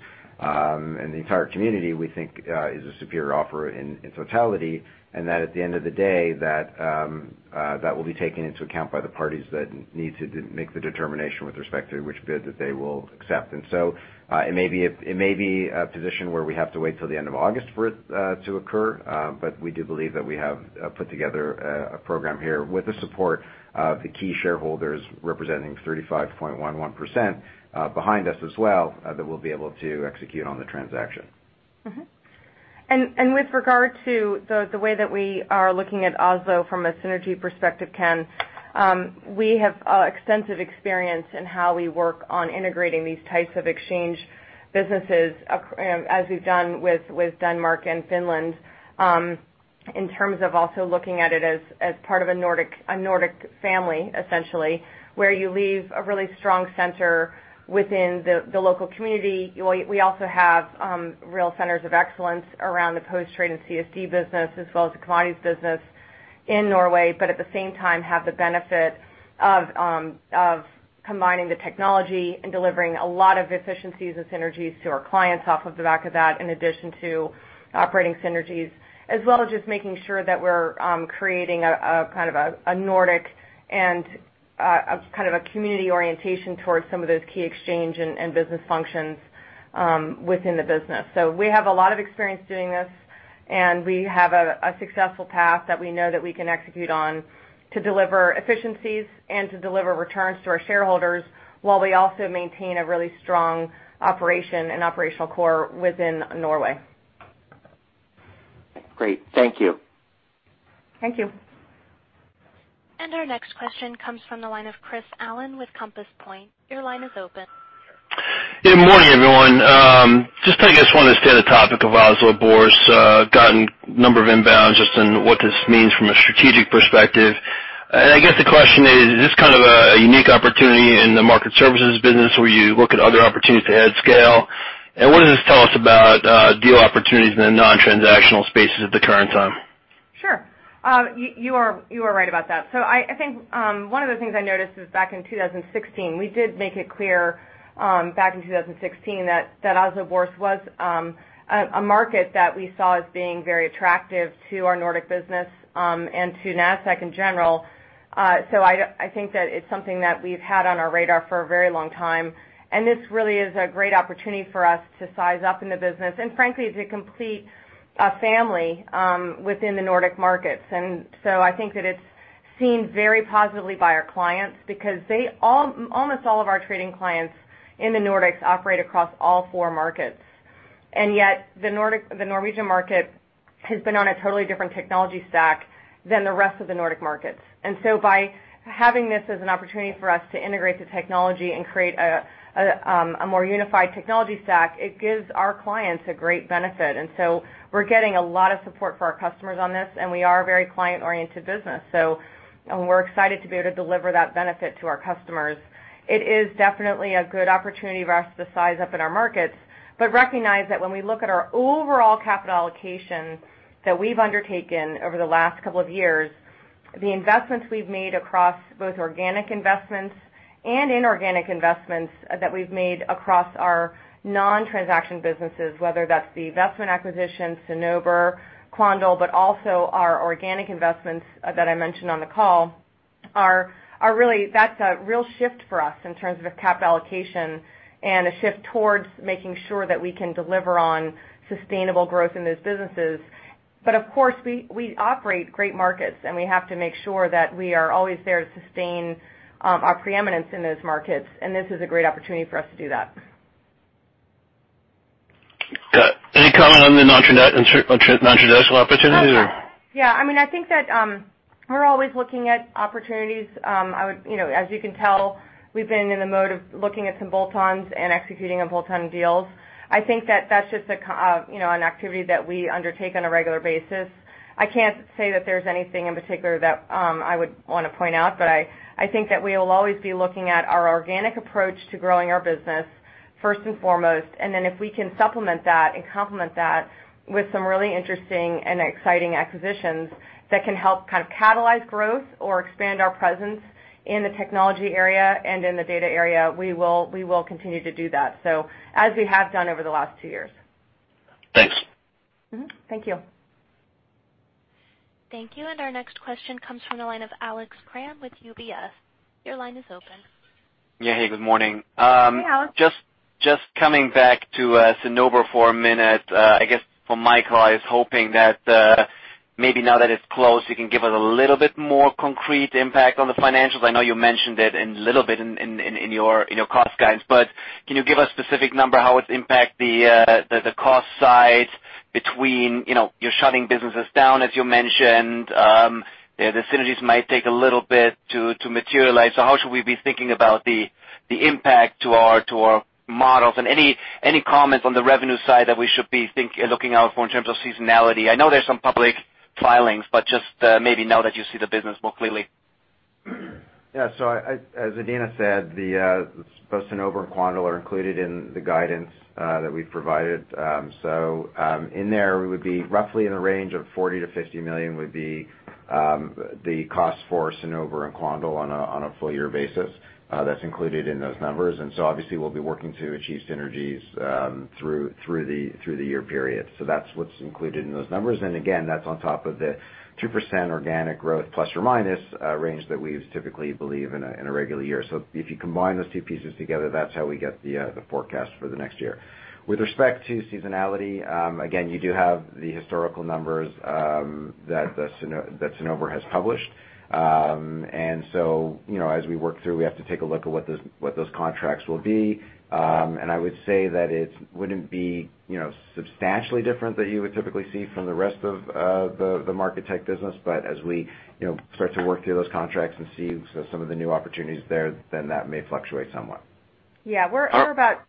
and the entire community, we think is a superior offer in totality, that at the end of the day, that will be taken into account by the parties that need to make the determination with respect to which bid that they will accept. It may be a position where we have to wait till the end of August for it to occur, but we do believe that we have put together a program here with the support of the key shareholders, representing 35.11% behind us as well, that we'll be able to execute on the transaction. With regard to the way that we are looking at Oslo from a synergy perspective, Ken, we have extensive experience in how we work on integrating these types of exchange businesses as we've done with Denmark and Finland, in terms of also looking at it as part of a Nordic family, essentially, where you leave a really strong center within the local community. We also have real centers of excellence around the post-trade and CSD business as well as the commodities business in Norway, but at the same time have the benefit of combining the technology and delivering a lot of efficiencies and synergies to our clients off of the back of that, in addition to operating synergies, as well as just making sure that we're creating a kind of a Nordic and a kind of a community orientation towards some of those key exchange and business functions within the business. We have a lot of experience doing this, we have a successful path that we know that we can execute on to deliver efficiencies and to deliver returns to our shareholders while we also maintain a really strong operation and operational core within Norway. Great. Thank you. Thank you. Our next question comes from the line of Chris Allen with Compass Point. Your line is open. Good morning, everyone. Just I guess wanted to stay on the topic of Oslo Børs. Gotten a number of inbounds just on what this means from a strategic perspective. I guess the question is this kind of a unique opportunity in the Market Services business where you look at other opportunities to add scale? What does this tell us about deal opportunities in the non-transactional spaces at the current time? Sure. You are right about that. I think, one of the things I noticed is back in 2016, we did make it clear back in 2016 that Oslo Børs was a market that we saw as being very attractive to our Nordic business, and to Nasdaq in general. I think that it's something that we've had on our radar for a very long time, and this really is a great opportunity for us to size up in the business. Frankly, to complete a family within the Nordic markets. I think that it's seen very positively by our clients because almost all of our trading clients in the Nordics operate across all four markets. Yet the Norwegian market has been on a totally different technology stack than the rest of the Nordic markets. By having this as an opportunity for us to integrate the technology and create a more unified technology stack, it gives our clients a great benefit. We're getting a lot of support for our customers on this, and we are a very client-oriented business, and we're excited to be able to deliver that benefit to our customers. It is definitely a good opportunity for us to size up in our markets, recognize that when we look at our overall capital allocation that we've undertaken over the last couple of years, the investments we've made across both organic investments and inorganic investments that we've made across our non-transaction businesses, whether that's the investment acquisition, Cinnober, Quandl, also our organic investments that I mentioned on the call, that's a real shift for us in terms of capital allocation and a shift towards making sure that we can deliver on sustainable growth in those businesses. Of course, we operate great markets, and we have to make sure that we are always there to sustain our preeminence in those markets. This is a great opportunity for us to do that. Got it. Any comment on the nontraditional opportunities or? Yeah. I think that we're always looking at opportunities. As you can tell, we've been in the mode of looking at some bolt-ons and executing on bolt-on deals. I think that that's just an activity that we undertake on a regular basis. I can't say that there's anything in particular that I would want to point out, but I think that we will always be looking at our organic approach to growing our business first and foremost, and then if we can supplement that and complement that with some really interesting and exciting acquisitions that can help kind of catalyze growth or expand our presence in the technology area and in the data area, we will continue to do that, as we have done over the last two years. Thanks. Mm-hmm. Thank you. Thank you. Our next question comes from the line of Alex Kramm with UBS. Your line is open. Yeah. Hey, good morning. Hey, Alex. Just coming back to Cinnober for a minute. I guess for Michael, I was hoping that maybe now that it's closed, you can give us a little bit more concrete impact on the financials. I know you mentioned it in a little bit in your cost guidance, but can you give a specific number how it's impact the cost side between, you're shutting businesses down, as you mentioned. The synergies might take a little bit to materialize. How should we be thinking about the impact to our models? Any comments on the revenue side that we should be looking out for in terms of seasonality? I know there's some public filings, but just maybe now that you see the business more clearly. Yeah. As Adena said, both Cinnober and Quandl are included in the guidance that we've provided. In there, we would be roughly in the range of $40 million-$50 million would be the cost for Cinnober and Quandl on a full year basis. That's included in those numbers. Obviously we'll be working to achieve synergies through the year period. That's what's included in those numbers. Again, that's on top of the 2% organic growth plus or minus range that we typically believe in a regular year. If you combine those two pieces together, that's how we get the forecast for the next year. With respect to seasonality, again, you do have the historical numbers that Cinnober has published. As we work through, we have to take a look at what those contracts will be. I would say that it wouldn't be substantially different that you would typically see from the rest of the market tech business. As we start to work through those contracts and see some of the new opportunities there, that may fluctuate somewhat. Yeah. We're about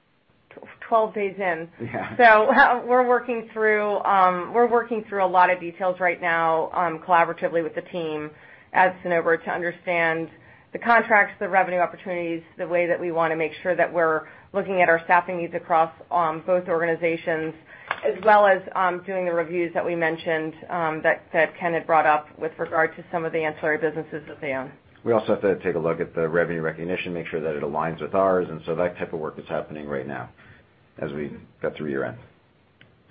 12 days in. Yeah. We're working through a lot of details right now collaboratively with the team at Cinnober to understand the contracts, the revenue opportunities, the way that we want to make sure that we're looking at our staffing needs across both organizations, as well as doing the reviews that we mentioned, that Ken had brought up with regard to some of the ancillary businesses that they own. We also have to take a look at the revenue recognition, make sure that it aligns with ours, that type of work is happening right now as we got through year-end.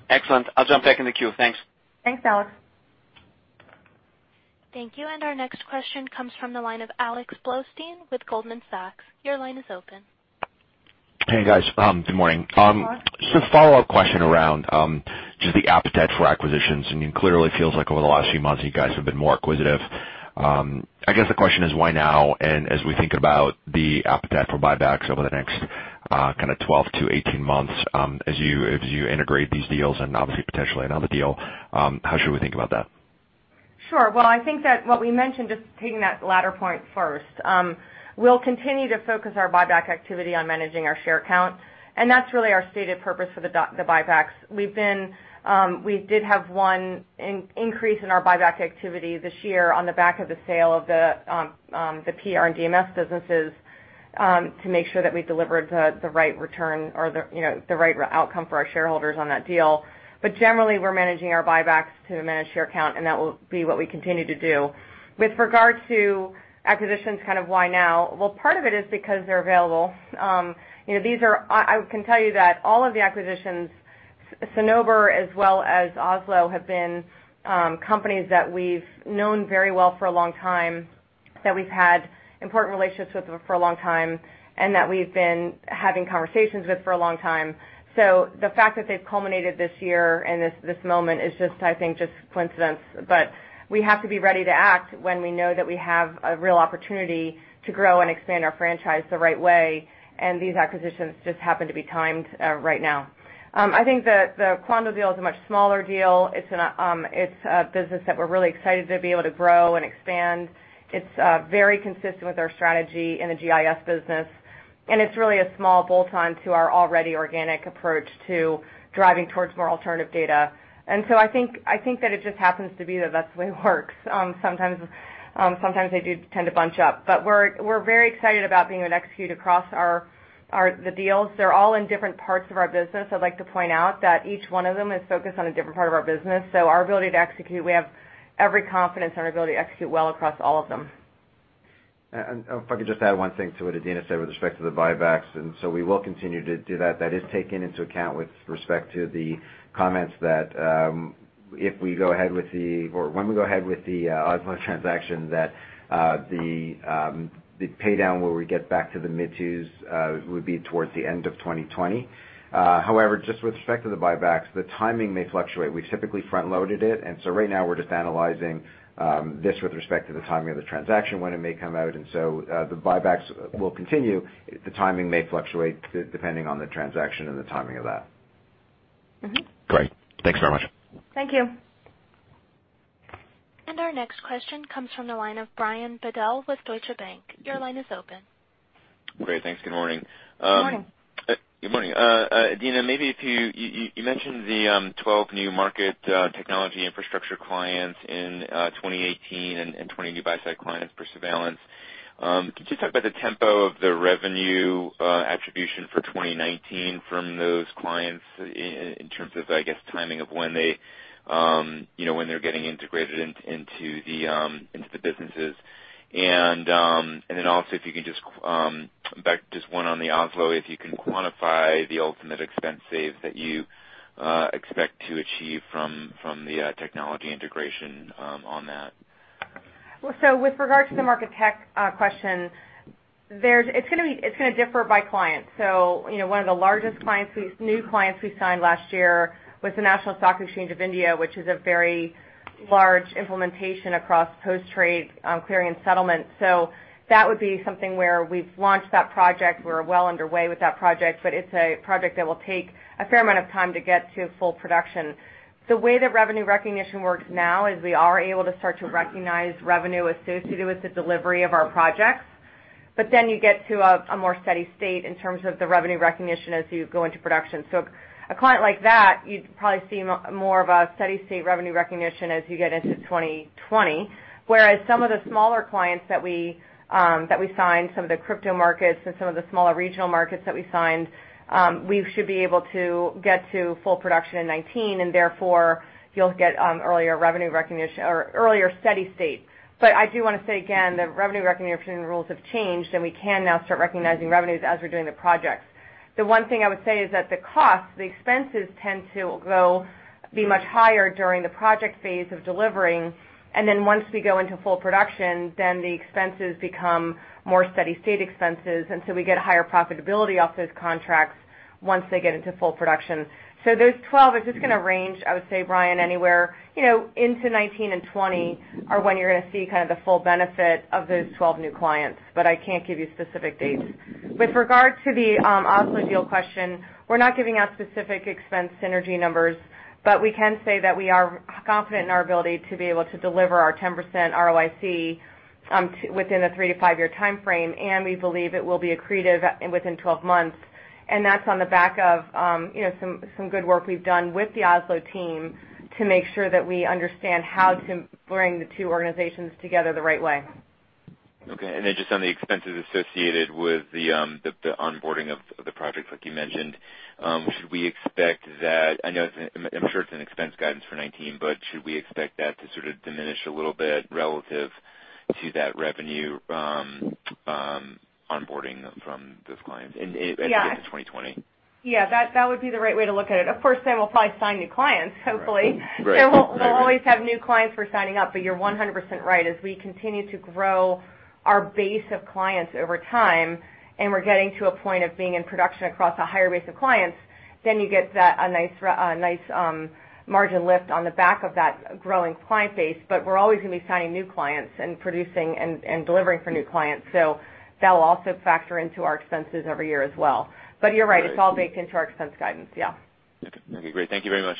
Excellent. I'll jump back in the queue. Thanks. Thanks, Alex. Thank you. Our next question comes from the line of Alex Blostein with Goldman Sachs. Your line is open. Hey, guys. Good morning. Good morning, Alex. Just a follow-up question around, just the appetite for acquisitions. It clearly feels like over the last few months, you guys have been more acquisitive. I guess the question is why now? As we think about the appetite for buybacks over the next kind of 12 to 18 months, as you integrate these deals and obviously potentially another deal, how should we think about that? Sure. Well, I think that what we mentioned, just taking that latter point first. We'll continue to focus our buyback activity on managing our share count, that's really our stated purpose for the buybacks. We did have one increase in our buyback activity this year on the back of the sale of the PR and DMS businesses to make sure that we delivered the right return or the right outcome for our shareholders on that deal. Generally, we're managing our buybacks to manage share count, that will be what we continue to do. With regard to acquisitions, kind of why now? Well, part of it is because they're available. I can tell you that all of the acquisitions, Cinnober as well as Oslo, have been companies that we've known very well for a long time, that we've had important relationships with for a long time, that we've been having conversations with for a long time. The fact that they've culminated this year and this moment is just, I think, just coincidence. We have to be ready to act when we know that we have a real opportunity to grow and expand our franchise the right way. These acquisitions just happen to be timed right now. I think the Quandl deal is a much smaller deal. It's a business that we're really excited to be able to grow and expand. It's very consistent with our strategy in the GIS business, it's really a small bolt-on to our already organic approach to driving towards more alternative data. I think that it just happens to be that that's the way it works. Sometimes they do tend to bunch up. We're very excited about being able to execute across the deals. They're all in different parts of our business. I'd like to point out that each one of them is focused on a different part of our business. Our ability to execute, we have every confidence in our ability to execute well across all of them. If I could just add one thing to what Adena said with respect to the buybacks, we will continue to do that. That is taken into account with respect to the comments that if we go ahead with the or when we go ahead with the Oslo transaction, that the paydown where we get back to the mid-teens would be towards the end of 2020. However, just with respect to the buybacks, the timing may fluctuate. We've typically front-loaded it, right now we're just analyzing this with respect to the timing of the transaction, when it may come out. The buybacks will continue. The timing may fluctuate depending on the transaction and the timing of that. Great. Thanks very much. Thank you. Our next question comes from the line of Brian Bedell with Deutsche Bank. Your line is open. Great. Thanks. Good morning. Good morning. Good morning. Adena, you mentioned the 12 new Market Technology infrastructure clients in 2018 and 20 new buy-side clients for surveillance. Can you talk about the tempo of the revenue attribution for 2019 from those clients in terms of, I guess, timing of when they're getting integrated into the businesses? If you can just, back just one on the Oslo, if you can quantify the ultimate expense saves that you expect to achieve from the technology integration on that. With regard to the market tech question, it's going to differ by client. One of the largest new clients we signed last year was the National Stock Exchange of India, which is a very large implementation across post-trade clearing and settlement. That would be something where we've launched that project. We're well underway with that project, but it's a project that will take a fair amount of time to get to full production. The way that revenue recognition works now is we are able to start to recognize revenue associated with the delivery of our projects, but then you get to a more steady state in terms of the revenue recognition as you go into production. A client like that, you'd probably see more of a steady state revenue recognition as you get into 2020. Some of the smaller clients that we signed, some of the crypto markets and some of the smaller regional markets that we signed, we should be able to get to full production in 2019, therefore you'll get earlier revenue recognition or earlier steady state. I do want to say again, the revenue recognition rules have changed, and we can now start recognizing revenues as we're doing the projects. The one thing I would say is that the costs, the expenses tend to be much higher during the project phase of delivering, then once we go into full production, the expenses become more steady state expenses, we get a higher profitability off those contracts once they get into full production. Those 12 are just going to range, I would say, Brian, anywhere into 2019 and 2020 are when you're going to see kind of the full benefit of those 12 new clients. I can't give you specific dates. With regard to the Oslo deal question, we're not giving out specific expense synergy numbers, we can say that we are confident in our ability to be able to deliver our 10% ROIC within a three to five-year timeframe. We believe it will be accretive within 12 months. That's on the back of some good work we've done with the Oslo team to make sure that we understand how to bring the two organizations together the right way. Okay. Just on the expenses associated with the onboarding of the projects like you mentioned, should we expect that, I'm sure it's in expense guidance for 2019, should we expect that to sort of diminish a little bit relative to that revenue onboarding from those clients as we get to 2020? That would be the right way to look at it. Of course, we'll probably sign new clients, hopefully. Right. We'll always have new clients we're signing up, you're 100% right. As we continue to grow our base of clients over time, we're getting to a point of being in production across a higher base of clients, you get a nice margin lift on the back of that growing client base. We're always going to be signing new clients and producing and delivering for new clients. That will also factor into our expenses every year as well. You're right, it's all baked into our expense guidance. Yeah. Okay, great. Thank you very much.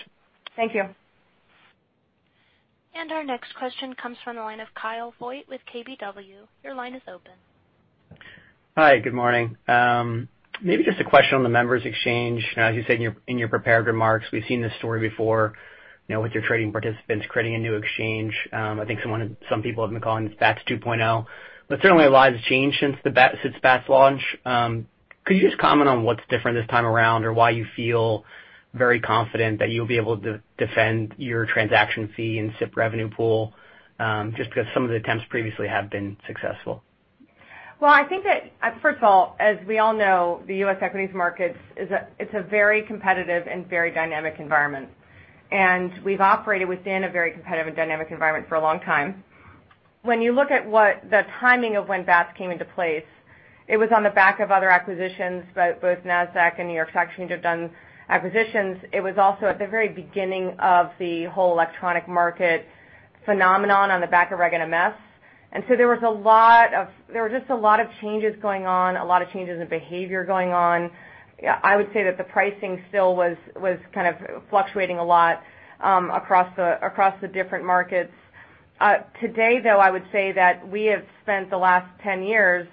Thank you. Our next question comes from the line of Kyle Voigt with KBW. Your line is open. Hi, good morning. Maybe just a question on the Members Exchange. As you said in your prepared remarks, we've seen this story before, with your trading participants creating a new exchange. I think some people have been calling this BATS 2.0. Certainly a lot has changed since the BATS launch. Could you just comment on what is different this time around or why you feel very confident that you'll be able to defend your transaction fee and SIP revenue pool? Just because some of the attempts previously have been successful. I think that, first of all, as we all know, the U.S. equities market is a very competitive and very dynamic environment, and we've operated within a very competitive and dynamic environment for a long time. When you look at the timing of when BATS came into place, it was on the back of other acquisitions. Both Nasdaq and New York Stock Exchange have done acquisitions. It was also at the very beginning of the whole electronic market phenomenon on the back of Reg NMS. There were just a lot of changes going on, a lot of changes in behavior going on. I would say that the pricing still was kind of fluctuating a lot across the different markets. Today, though, I would say that we have spent the last 10 years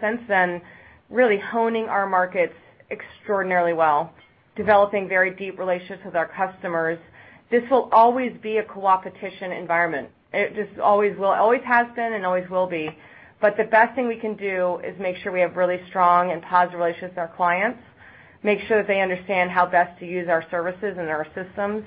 since then really honing our markets extraordinarily well, developing very deep relationships with our customers. This will always be a co-opetition environment. It just always has been and always will be. The best thing we can do is make sure we have really strong and positive relationships with our clients, make sure that they understand how best to use our services and our systems,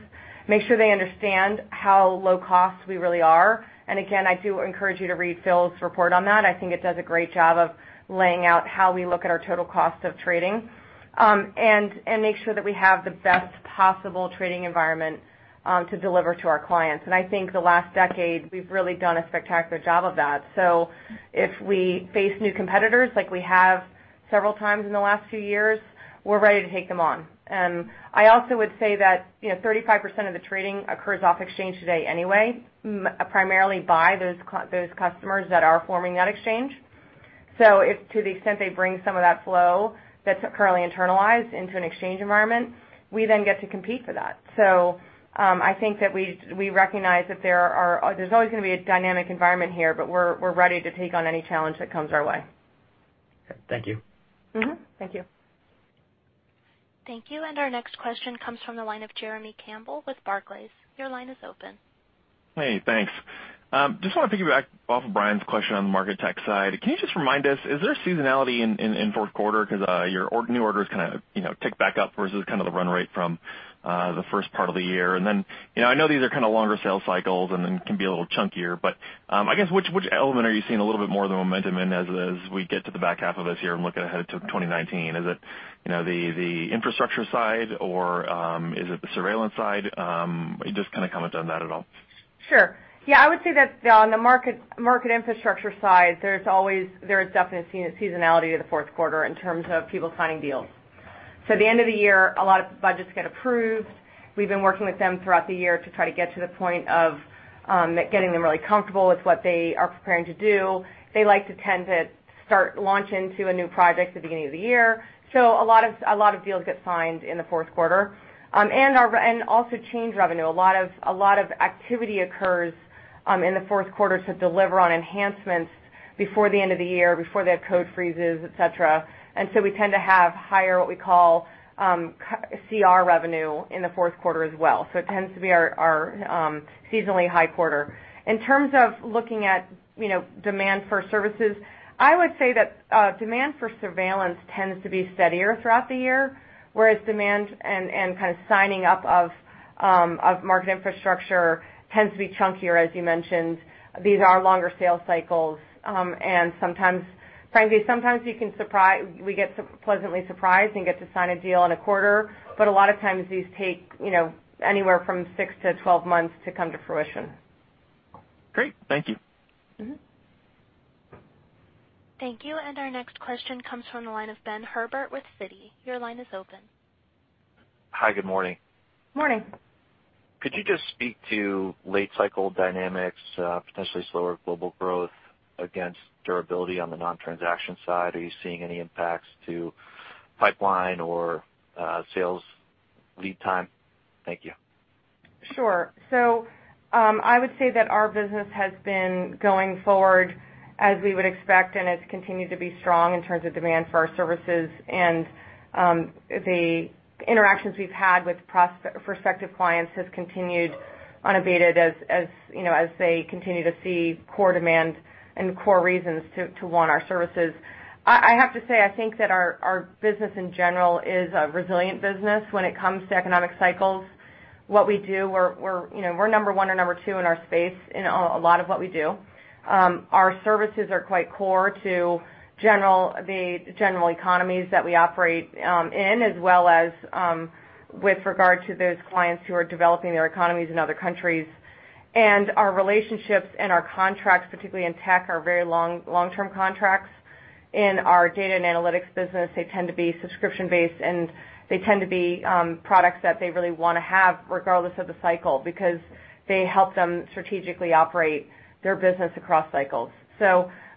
make sure they understand how low cost we really are. Again, I do encourage you to read Phil's report on that. I think it does a great job of laying out how we look at our total cost of trading. Make sure that we have the best possible trading environment to deliver to our clients. I think the last decade, we've really done a spectacular job of that. If we face new competitors like we have several times in the last few years, we're ready to take them on. I also would say that 35% of the trading occurs off exchange today anyway, primarily by those customers that are forming that exchange. To the extent they bring some of that flow that's currently internalized into an exchange environment, we then get to compete for that. I think that we recognize that there's always going to be a dynamic environment here, but we're ready to take on any challenge that comes our way. Okay. Thank you. Mm-hmm. Thank you. Thank you. Our next question comes from the line of Jeremy Campbell with Barclays. Your line is open. Hey, thanks. Just want to piggyback off of Brian's question on the market tech side. Can you just remind us, is there seasonality in fourth quarter? Your new orders kind of tick back up versus kind of the run rate from the first part of the year. I know these are kind of longer sales cycles and then can be a little chunkier, but I guess, which element are you seeing a little bit more of the momentum in as we get to the back half of this year and looking ahead to 2019? Is it the infrastructure side or is it the surveillance side? Just kind of comment on that at all. Sure. I would say that on the market infrastructure side, there is definitely seasonality to the fourth quarter in terms of people signing deals. At the end of the year, a lot of budgets get approved. We've been working with them throughout the year to try to get to the point of getting them really comfortable with what they are preparing to do. They like to start launch into a new project at the beginning of the year. A lot of deals get signed in the fourth quarter. Also change revenue. A lot of activity occurs in the fourth quarter to deliver on enhancements before the end of the year, before they have code freezes, et cetera. We tend to have higher, what we call, CR revenue in the fourth quarter as well. It tends to be our seasonally high quarter. In terms of looking at demand for services, I would say that demand for surveillance tends to be steadier throughout the year, whereas demand and kind of signing up of market infrastructure tends to be chunkier, as you mentioned. These are longer sales cycles. Frankly, sometimes we get pleasantly surprised and get to sign a deal in a quarter, but a lot of times these take anywhere from 6 to 12 months to come to fruition. Great. Thank you. Thank you. Our next question comes from the line of Ben Herbert with Citi. Your line is open. Hi, good morning. Morning. Could you just speak to late cycle dynamics, potentially slower global growth against durability on the non-transaction side? Are you seeing any impacts to pipeline or sales lead time? Thank you. Sure. I would say that our business has been going forward as we would expect, and it's continued to be strong in terms of demand for our services. The interactions we've had with prospective clients has continued unabated as they continue to see core demand and core reasons to want our services. I have to say, I think that our business in general is a resilient business when it comes to economic cycles. What we do, we're number one or number two in our space in a lot of what we do. Our services are quite core to the general economies that we operate in, as well as with regard to those clients who are developing their economies in other countries. Our relationships and our contracts, particularly in tech, are very long-term contracts. In our data and analytics business, they tend to be subscription-based, and they tend to be products that they really want to have regardless of the cycle because they help them strategically operate their business across cycles.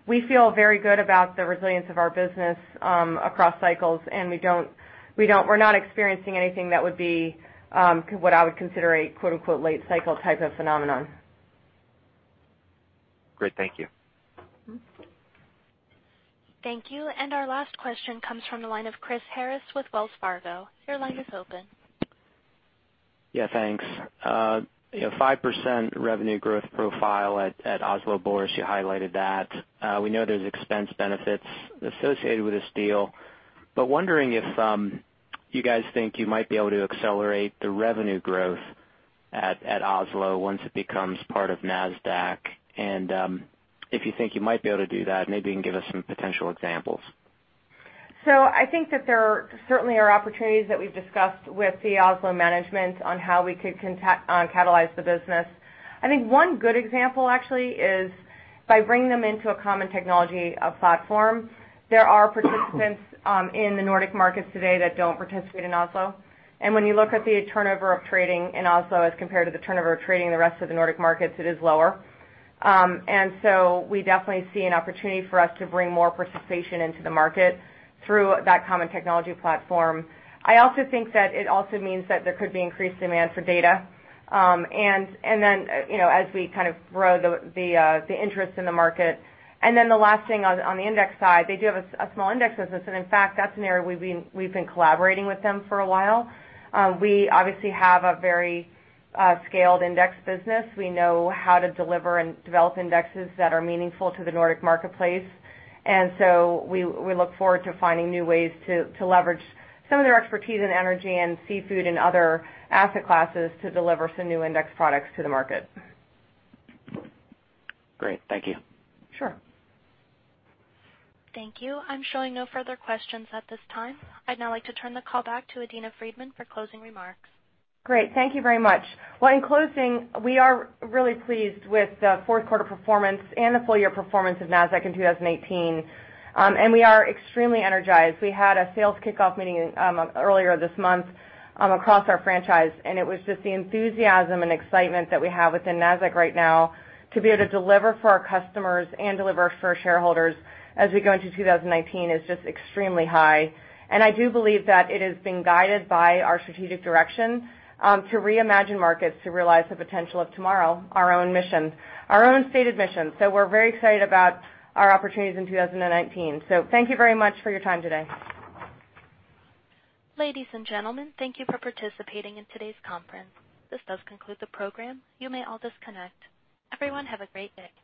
We feel very good about the resilience of our business across cycles, and we're not experiencing anything that would be what I would consider a "late cycle" type of phenomenon. Great. Thank you. Thank you. Our last question comes from the line of Chris Harris with Wells Fargo. Your line is open. Yeah, thanks. 5% revenue growth profile at Oslo Børs, you highlighted that. We know there's expense benefits associated with this deal, wondering if you guys think you might be able to accelerate the revenue growth at Oslo once it becomes part of Nasdaq, if you think you might be able to do that, maybe you can give us some potential examples. I think that there certainly are opportunities that we've discussed with the Oslo management on how we could catalyze the business. I think one good example actually is by bringing them into a common technology platform. There are participants in the Nordic markets today that don't participate in Oslo. When you look at the turnover of trading in Oslo as compared to the turnover of trading in the rest of the Nordic markets, it is lower. We definitely see an opportunity for us to bring more participation into the market through that common technology platform. I also think that it also means that there could be increased demand for data. As we kind of grow the interest in the market. The last thing on the index side, they do have a small index business, and in fact, that's an area we've been collaborating with them for a while. We obviously have a very scaled index business. We know how to deliver and develop indexes that are meaningful to the Nordic marketplace. We look forward to finding new ways to leverage some of their expertise in energy and seafood and other asset classes to deliver some new index products to the market. Great. Thank you. Sure. Thank you. I'm showing no further questions at this time. I'd now like to turn the call back to Adena Friedman for closing remarks. Great. Thank you very much. In closing, we are really pleased with the fourth quarter performance and the full-year performance of Nasdaq in 2018. We are extremely energized. We had a sales kickoff meeting earlier this month across our franchise, and it was just the enthusiasm and excitement that we have within Nasdaq right now to be able to deliver for our customers and deliver for our shareholders as we go into 2019 is just extremely high. I do believe that it is being guided by our strategic direction to reimagine markets, to realize the potential of tomorrow, our own mission, our own stated mission. We're very excited about our opportunities in 2019. Thank you very much for your time today. Ladies and gentlemen, thank you for participating in today's conference. This does conclude the program. You may all disconnect. Everyone, have a great day.